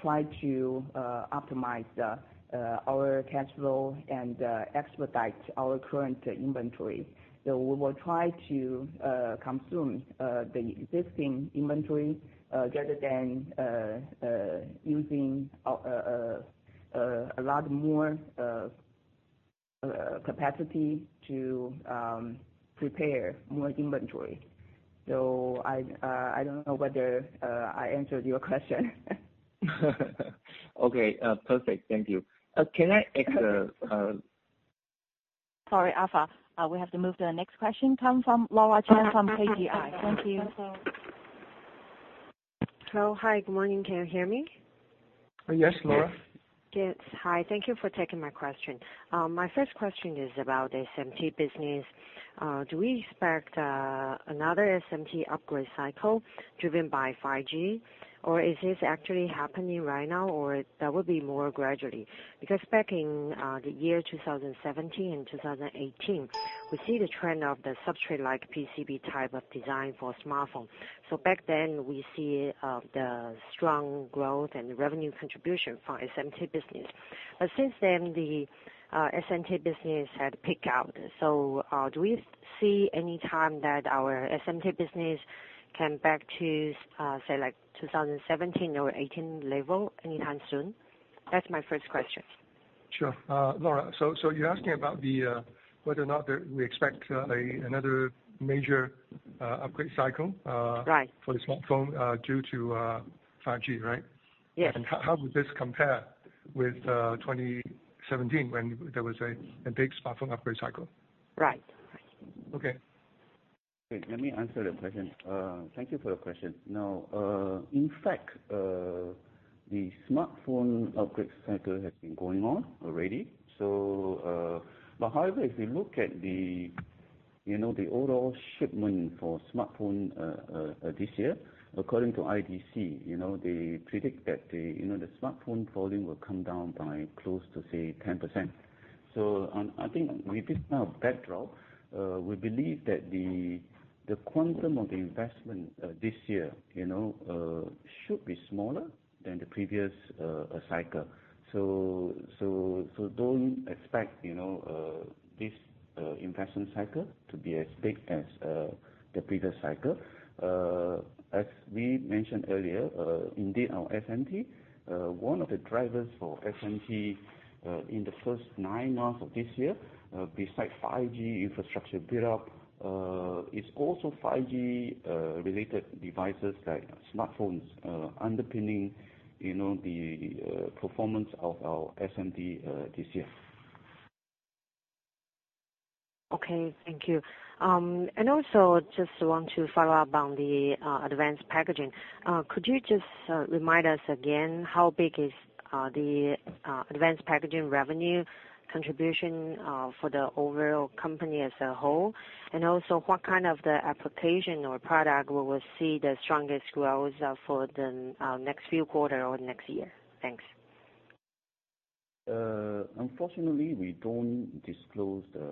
try to optimize our cash flow and expedite our current inventory. We will try to consume the existing inventory rather than using a lot more capacity to prepare more inventory. I don't know whether I answered your question. Okay, perfect. Thank you. Sorry, Arthur. We have to move to the next question, coming from Laura Chen from KGI. Thank you. Hello. Hi, good morning. Can you hear me? Yes, Laura. Yes. Hi, thank you for taking my question. My first question is about SMT business. Do we expect another SMT upgrade cycle driven by 5G, or is this actually happening right now, or that will be more gradually? Because back in the year 2017 and 2018, we see the trend of the substrate like PCB type of design for smartphone. Back then we see the strong growth and revenue contribution from SMT business. Since then, the SMT business had peak out. Do we see any time that our SMT business come back to say like 2017 or 2018 level anytime soon? That's my first question. Sure. Laura, you're asking about whether or not we expect another major upgrade cycle- Right -for the smartphone, due to 5G, right? Yes. How would this compare with 2017, when there was a big smartphone upgrade cycle? Right. Okay. Okay, let me answer that question. Thank you for your question. In fact, the smartphone upgrade cycle has been going on already. However, if you look at the overall shipment for smartphone this year, according to IDC, they predict that the smartphone volume will come down by close to, say, 10%. I think with this kind of backdrop, we believe that the quantum of the investment this year should be smaller than the previous cycle. Don't expect this investment cycle to be as big as the previous cycle. As we mentioned earlier, indeed our SMT, one of the drivers for SMT in the first nine months of this year, besides 5G infrastructure build-up, is also 5G related devices like smartphones underpinning the performance of our SMT this year. Okay, thank you. Also just want to follow up on the Advanced Packaging. Could you just remind us again, how big is the Advanced Packaging revenue contribution for the overall company as a whole? Also what kind of the application or product will we see the strongest growth for the next few quarter or next year? Thanks. Unfortunately, we don't disclose the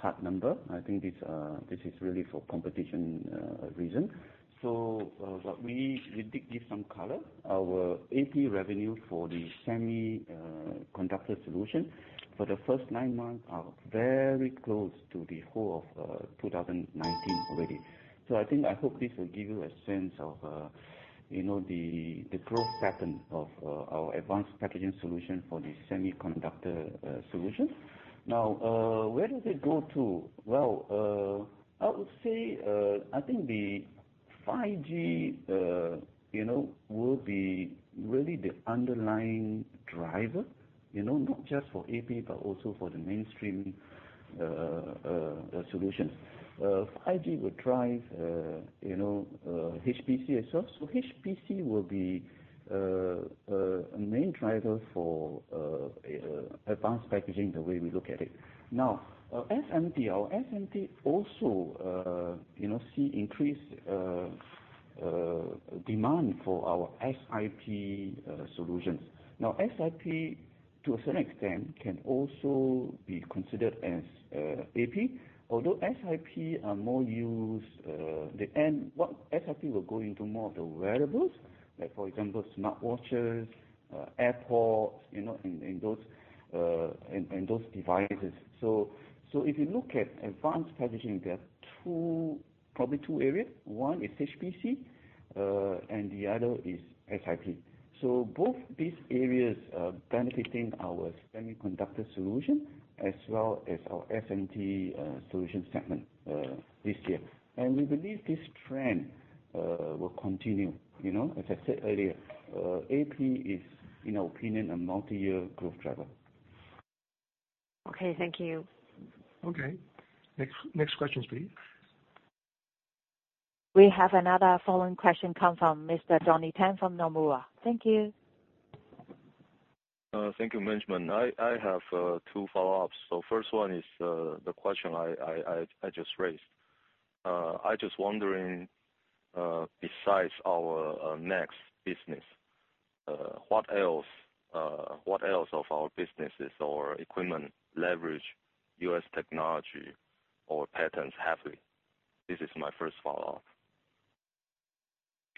hard number. I think this is really for competition reason. But we did give some color. Our AP revenue for the semiconductor solution for the first nine months are very close to the whole of 2019 already. I think, I hope this will give you a sense of the growth pattern of our advanced packaging solution for the semiconductor solution. Where does it go to? Well, I would say, I think the 5G will be really the underlying driver, not just for AP, but also for the mainstream solutions. 5G will drive HPC as well, so HPC will be a main driver for advanced packaging, the way we look at it. SMT. Our SMT also see increased demand for our SiP solutions. SiP to a certain extent, can also be considered as AP, although SiP will go into more of the wearables, like, for example, smartwatches, AirPods, and those devices. If you look at Advanced Packaging, there are probably two areas. One is HPC, and the other is SiP. Both these areas are benefiting our semiconductor solution as well as our SMT solutions segment this year. We believe this trend will continue. As I said earlier, AP is, in our opinion, a multiyear growth driver. Okay, thank you. Okay. Next question, please. We have another following question come from Mr. Donnie Teng from Nomura. Thank you. Thank you, management. I have two follow-ups. First one is the question I just raised. I just wondering, besides our NEXX business, what else of our businesses or equipment leverage U.S. technology or patents heavily? This is my first follow-up.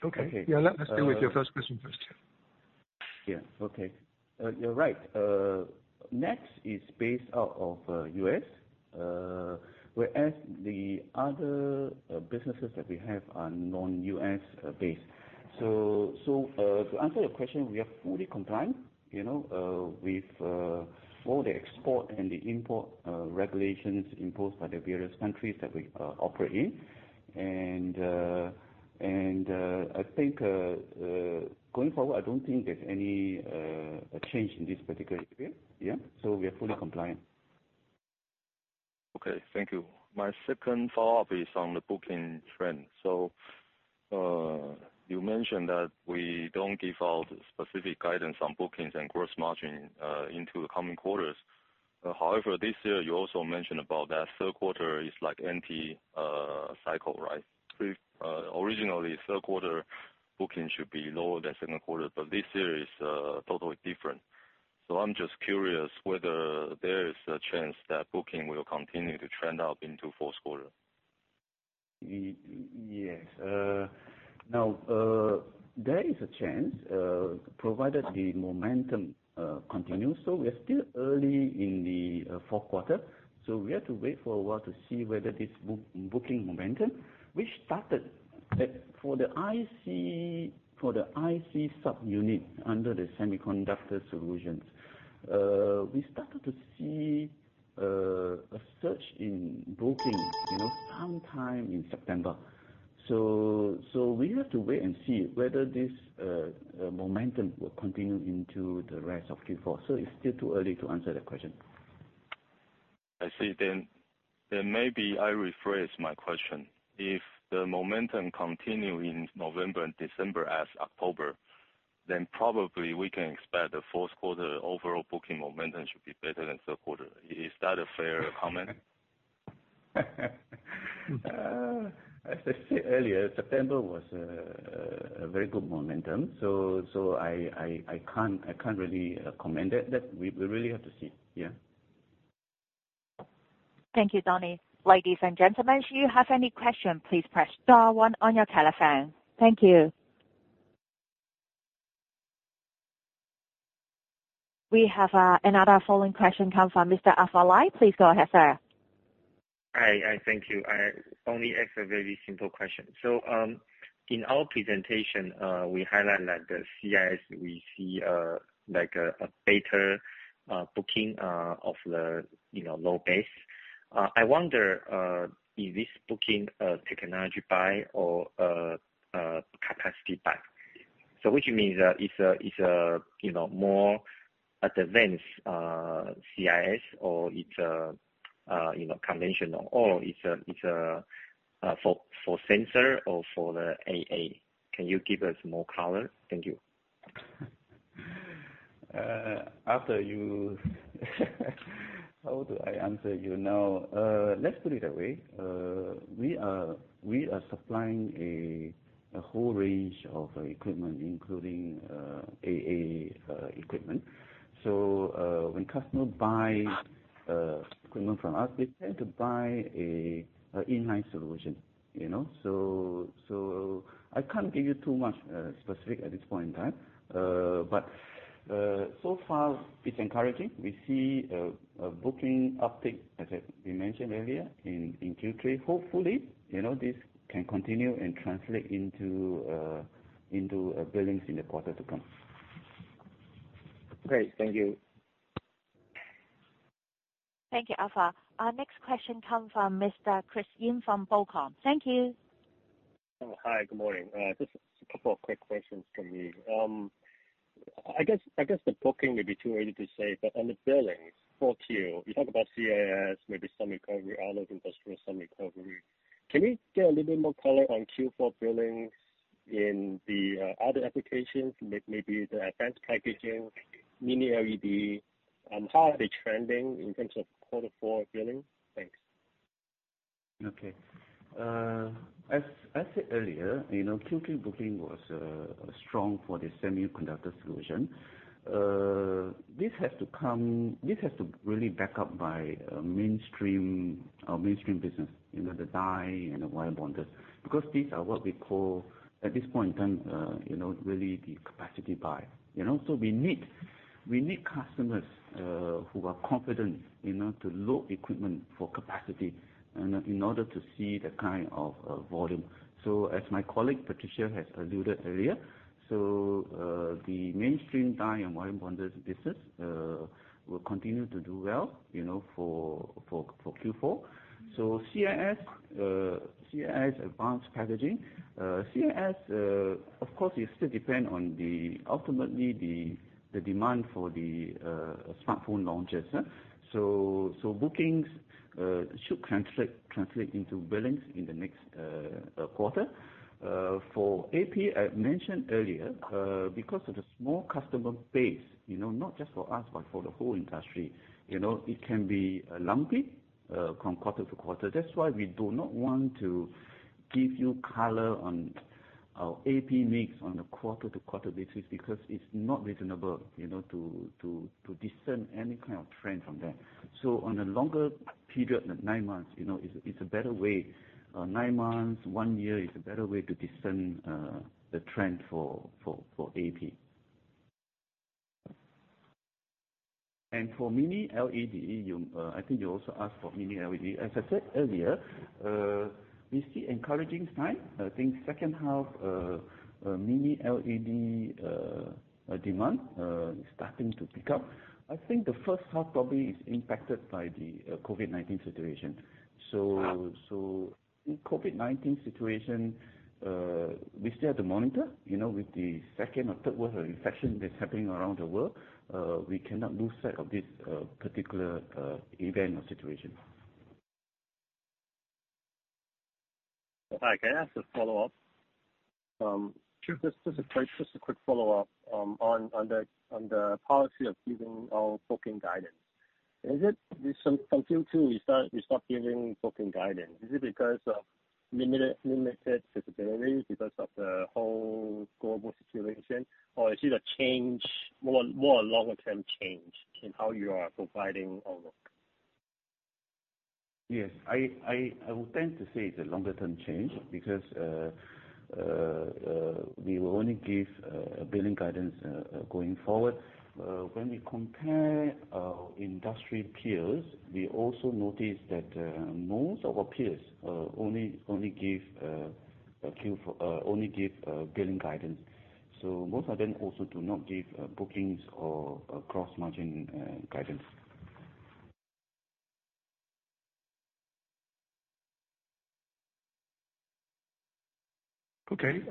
Okay. Yeah, let's deal with your first question first. Yeah. Okay. You're right. NEXX is based out of U.S., whereas the other businesses that we have are non-U.S. based. To answer your question, we are fully compliant with all the export and the import regulations imposed by the various countries that we operate in. I think, going forward, I don't think there's any change in this particular area. Yeah. We are fully compliant. Okay, thank you. My second follow-up is on the booking trend. You mentioned that we don't give out specific guidance on bookings and gross margin into the coming quarters. This year you also mentioned about that Q3 is like anti-cycle, right? Originally, Q3 booking should be lower than Q2, but this year is totally different. I'm just curious whether there is a chance that booking will continue to trend up into Q4. Yes. There is a chance, provided the momentum continues. We are still early in the Q4. We have to wait for a while to see whether this booking momentum, which started for the IC subunit under the semiconductor solutions. We started to see a surge in booking, sometime in September. We have to wait and see whether this momentum will continue into the rest of Q4. It's still too early to answer that question. I see then. Maybe I rephrase my question. If the momentum continue in November and December as October, probably we can expect the Q4 overall booking momentum should be better than Q3. Is that a fair comment? As I said earlier, September was a very good momentum, so I can't really comment at that. We really have to see. Yeah. Thank you, Donnie. Ladies and gentlemen, if you have any question, please press star one on your telephone. Thank you. We have another following question come from Mr. Arthur Lai. Please go ahead, sir. Hi, and thank you. I only ask a very simple question. In our presentation, we highlight that the CIS, we see a better booking of the low base. I wonder, is this booking a technology buy or a capacity buy? Which means that it's more advanced CIS or it's conventional, or it's for sensor or for the AA? Can you give us more color? Thank you. How do I answer you now? Let's put it this way. We are supplying a whole range of equipment, including AA equipment. When customers buy equipment from us, they tend to buy an in-line solution. I can't give you too much specific at this point in time. So far, it's encouraging. We see a booking uptick, as we mentioned earlier in Q3. Hopefully, this can continue and translate into billings in the quarter to come. Great. Thank you. Thank you, Arthur. Our next question come from Mr. Chris Yim from BOCOM. Thank you. Hi. Good morning. Just a couple of quick questions from me. I guess the booking may be too early to say, but on the billings for Q2, you talk about CIS, maybe some recovery out of industrial, some recovery. Can we get a little bit more color on Q4 billings in the other applications, maybe the Advanced Packaging, Mini LED, and how are they trending in terms of Q4 billing? Thanks. Okay. As I said earlier, Q3 booking was strong for the semiconductor solution. This has to really back up by our mainstream business, the die and the wire bonders, because these are what we call, at this point in time, really the capacity buy. We need customers who are confident enough to load equipment for capacity in order to see the kind of volume. As my colleague Patricia has alluded earlier, the mainstream die and wire bonders business will continue to do well for Q4. CIS advanced packaging. CIS, of course, you still depend on ultimately the demand for the smartphone launches. Bookings should translate into billings in the next quarter. For AP, I mentioned earlier, because of the small customer base, not just for us but for the whole industry, it can be lumpy from quarter-to-quarter That's why we do not want to give you color on our AP mix on a quarter-to-quarter basis, because it's not reasonable to discern any kind of trend from that. On a longer period, nine months, it's a better way. Nine months, one year is a better way to discern the trend for AP. For Mini LED, I think you also asked for Mini LED. As I said earlier, we see encouraging signs. I think H2 Mini LED demand is starting to pick up. I think the H1 probably is impacted by the COVID-19 situation. The COVID-19 situation, we still have to monitor. With the second or third wave of infection that's happening around the world, we cannot lose sight of this particular event or situation. Hi, can I ask a follow-up? Just a quick follow-up on the policy of giving our booking guidance. From Q2 we stopped giving booking guidance. Is it because of limited visibility because of the whole global situation, or is it a more longer-term change in how you are providing outlook? Yes. I would tend to say it's a longer-term change because we will only give billing guidance going forward. When we compare our industry peers, we also notice that most of our peers only give billing guidance. Most of them also do not give bookings or gross margin guidance. Okay.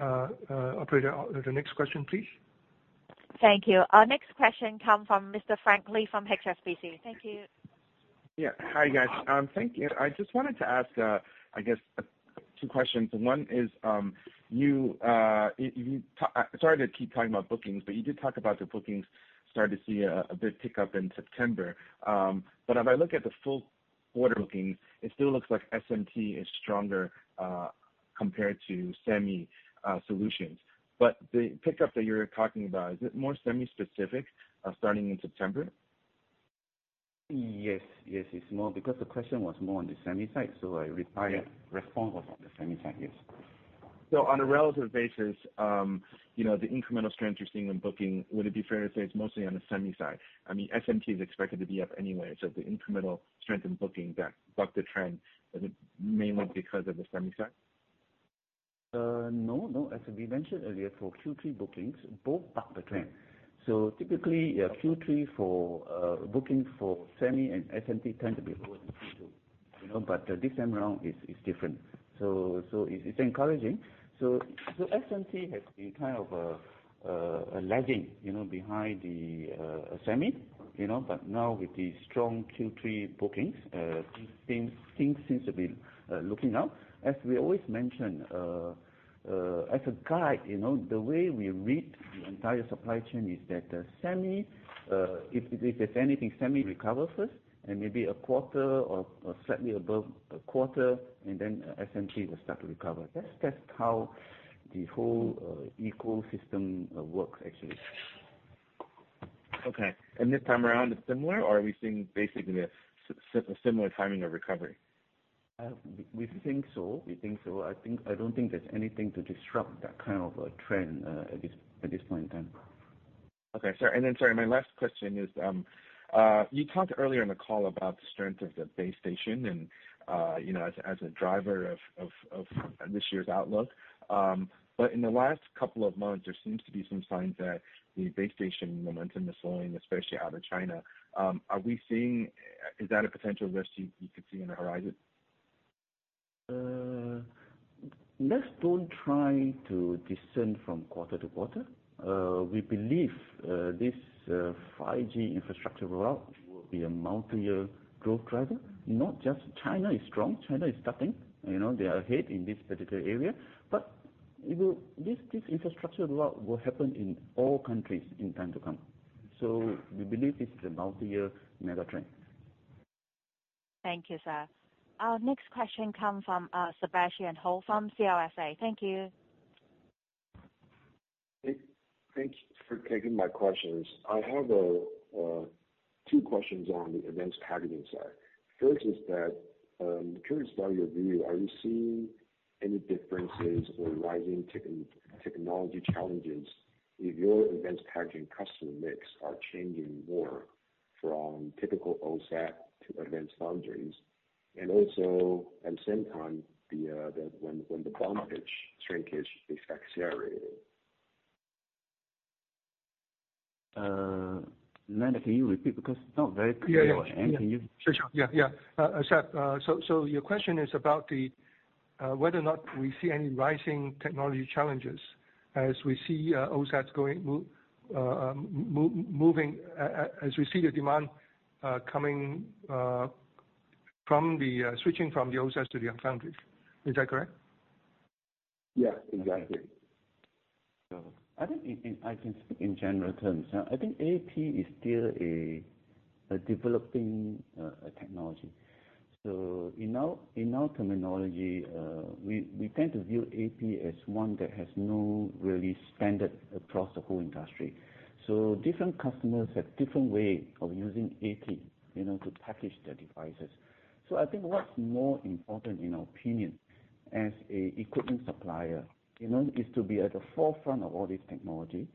Operator, the next question, please. Thank you. Our next question come from Mr. Frank Lee from HSBC. Thank you. Yeah. Hi, guys. Thank you. I just wanted to ask, I guess two questions. One is, sorry to keep talking about bookings, but you did talk about the bookings start to see a big pickup in September. As I look at the full order bookings, it still looks like SMT is stronger compared to semi solutions. The pickup that you're talking about, is it more semi-specific starting in September? Yes. It's more because the question was more on the semi side. My response was on the semi side. Yes. On a relative basis, the incremental strength you're seeing in booking, would it be fair to say it's mostly on the semi side? I mean, SMT is expected to be up anyway, so the incremental strength in bookings that bucked the trend, is it mainly because of the semi side? No. As we mentioned earlier, for Q3 bookings both buck the trend. Typically, Q3 for bookings for semi and SMT tend to be lower than Q2. This time around it's different. It's encouraging. SMT has been kind of lagging behind the semi, but now with the strong Q3 bookings, things seems to be looking up. As we always mention, as a guide, the way we read the entire supply chain is that if there's anything, semi recovers first and maybe a quarter or slightly above a quarter, and then SMT will start to recover. That's how the whole ecosystem works, actually. Okay. This time around it's similar, or are we seeing basically a similar timing of recovery? We think so. I don't think there's anything to disrupt that kind of a trend at this point in time. Okay. Sorry, my last question is, you talked earlier in the call about the strength of the base station and as a driver of this year's outlook. In the last couple of months, there seems to be some signs that the base station momentum is slowing, especially out of China. Is that a potential risk you could see on the horizon? Let's don't try to discern from quarter-to-quarter. We believe this 5G infrastructure rollout will be a multi-year growth driver, not just China is strong, China is starting, they are ahead in this particular area, but this infrastructure rollout will happen in all countries in time to come. We believe it's a multi-year mega trend. Thank you, sir. Our next question come from Sebastian Hou from CLSA. Thank you. Thank you for taking my questions. I have two questions on the advanced packaging side. First is that, I'm curious about your view. Are you seeing any differences or rising technology challenges if your advanced packaging customer mix are changing more from typical OSAT to advanced foundries? Also at the same time, when the bond pitch shrinkage is accelerating Leonard, can you repeat? It's not very clear. Yeah. And can you- Sure. Sebastian, your question is about whether or not we see any rising technology challenges as we see the demand switching from the OSATs to the foundries. Is that correct? Yeah, exactly. I think I can speak in general terms now. I think AP is still a developing technology. In our terminology, we tend to view AP as one that has no really standard across the whole industry. Different customers have different way of using AP to package their devices. I think what's more important, in our opinion, as a equipment supplier, is to be at the forefront of all this technology.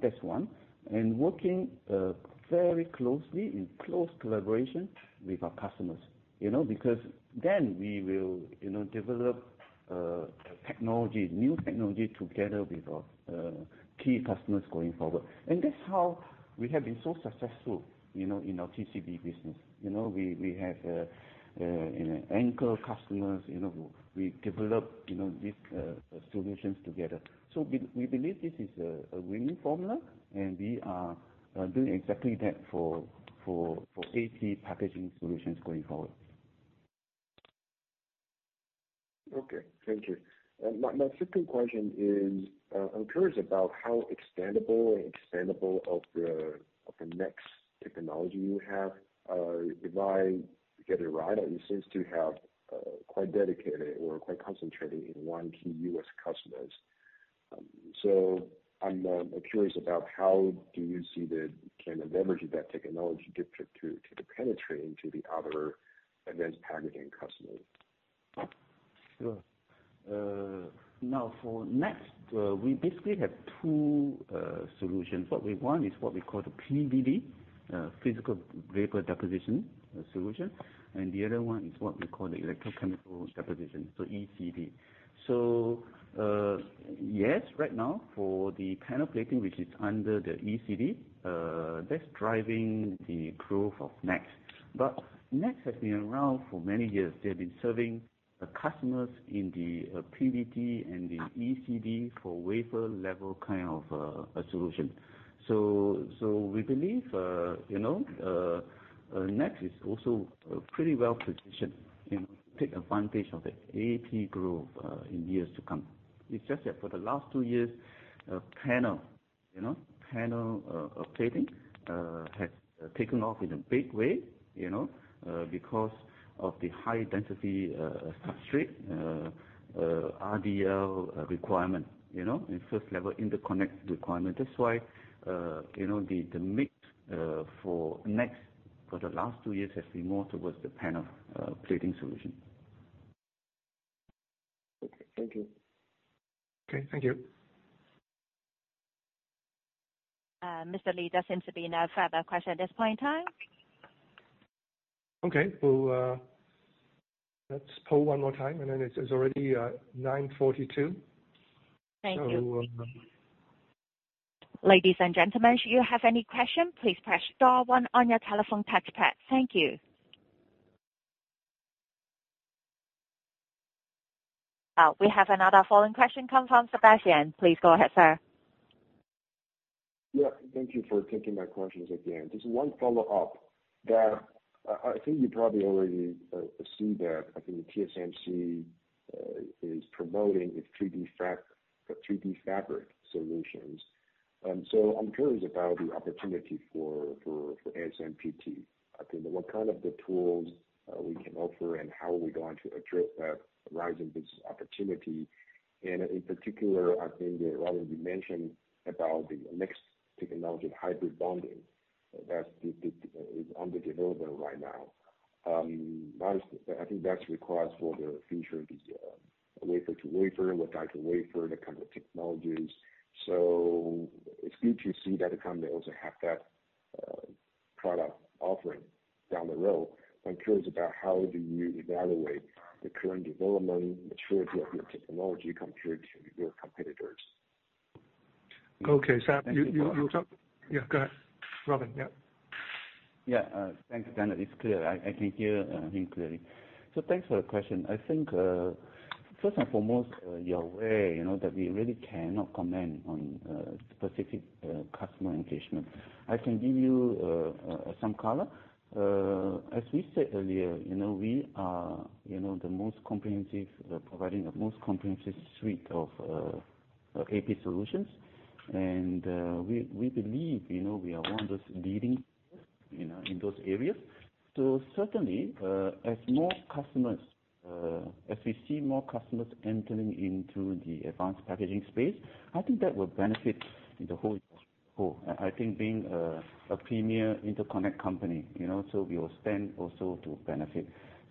That's one. Working in close collaboration with our customers. Then we will develop technology, new technology, together with our key customers going forward. That's how we have been so successful in our TCB business. We have anchor customers. We develop these solutions together. We believe this is a winning formula, and we are doing exactly that for AP packaging solutions going forward. Okay, thank you. My second question is, I'm curious about how expandable or extendable of the NEXX technology you have. If I get it right, you seem to have quite dedicated or quite concentrated in one key U.S. customers. I'm curious about how do you see the kind of leverage of that technology get to the penetrating to the other Advanced Packaging customers? Sure. Now, for NEXX, we basically have two solutions. What we want is what we call the PVD, physical vapor deposition solution. The other one is what we call the electrochemical deposition, so ECD. Yes, right now for the panel plating, which is under the ECD, that's driving the growth of NEXX. NEXX has been around for many years. They've been serving the customers in the PVD and the ECD for wafer level kind of a solution. We believe NEXX is also pretty well-positioned, take advantage of the AP growth, in years to come. It's just that for the last two years, panel plating has taken off in a big way, because of the high density substrate, RDL, requirement in first level interconnect requirement. That's why the mix for NEXX for the last two years has been more towards the panel plating solution. Okay, thank you. Okay, thank you. Mr. Lee, there seems to be no further question at this point in time. Okay. Let's poll one more time, and then it is already 9:42 A.M. Thank you. So- Ladies and gentlemen, should you have any question, please press star one on your telephone touch pad. Thank you. We have another following question, come from Sebastian. Please go ahead, sir. Yeah, thank you for taking my questions again. Just one follow-up that I think you probably already see that, I think TSMC is promoting its 3DFabric solutions. I'm curious about the opportunity for ASMPT. I think what kind of the tools we can offer and how are we going to address that rising business opportunity. In particular, I think that Robin, you mentioned about the next technology of hybrid bonding that is under development right now. I think that's required for the future of the wafer-to-wafer, what kind of wafer, the kind of technologies. It's good to see that the company also have that product offering down the road. I'm curious about how do you evaluate the current development, maturity of your technology compared to your competitors? Okay, Sebastian. Thank you. Yeah, go ahead, Robin. Yeah. Yeah. Thanks, Leonard. It's clear. I can hear him clearly. Thanks for the question. I think, first and foremost, you are aware that we really cannot comment on specific customer engagement. I can give you some color. As we said earlier, we are providing the most comprehensive suite of AP solutions. We believe we are one of those leading in those areas. Certainly, as we see more customers entering into the advanced packaging space, I think that will benefit the whole industry. I think being a premier interconnect company, so we will stand also to benefit.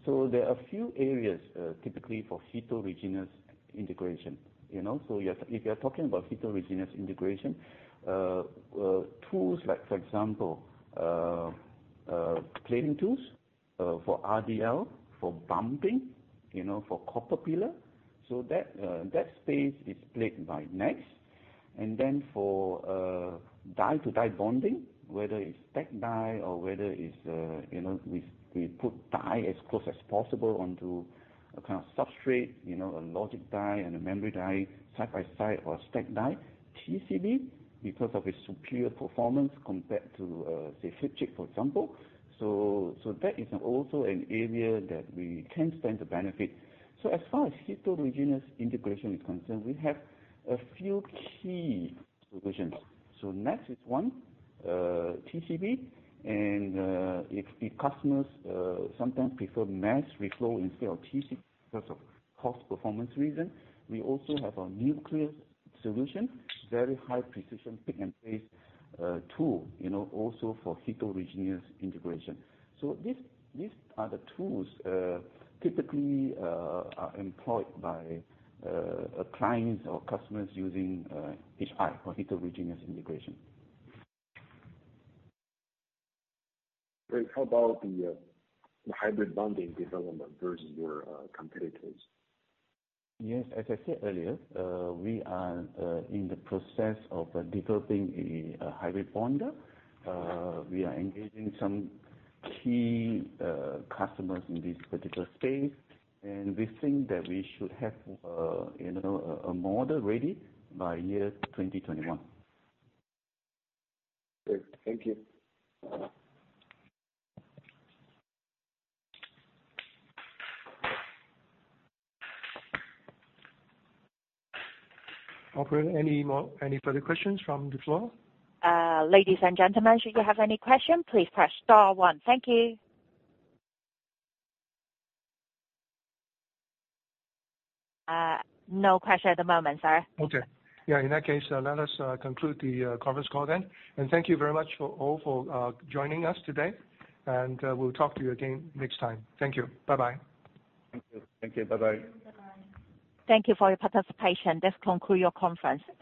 There are a few areas, typically for heterogeneous integration. If you are talking about heterogeneous integration, tools like, for example, cleaning tools for RDL, for bumping, for copper pillar. That space is played by NEXX. For die-to-die bonding, whether it's stack die or whether it's we put die as close as possible onto a kind of substrate, a logic die and a memory die side-by-side or stack die, TCB, because of its superior performance compared to, say, flip chip, for example. That is also an area that we can stand to benefit. As far as heterogeneous integration is concerned, we have a few key solutions. NEXX is one, TCB, and if the customers sometimes prefer mass reflow instead of TCB because of cost performance reason, we also have a NUCLEUS solution, very high precision pick-and-place tool, also for heterogeneous integration. These are the tools typically are employed by clients or customers using HI or heterogeneous integration. Great. How about the hybrid bonding development versus your competitors? Yes, as I said earlier, we are in the process of developing a hybrid bonder. We are engaging some key customers in this particular space, and we think that we should have a model ready by year 2021. Great. Thank you. Operator, any further questions from the floor? Ladies and gentlemen, should you have any question, please press star one. Thank you. No question at the moment, sir. Okay. Yeah, in that case, let us conclude the conference call then. Thank you very much all for joining us today, and we'll talk to you again next time. Thank you. Bye-bye. Thank you. Bye-bye. Thank you for your participation. This conclude your conference.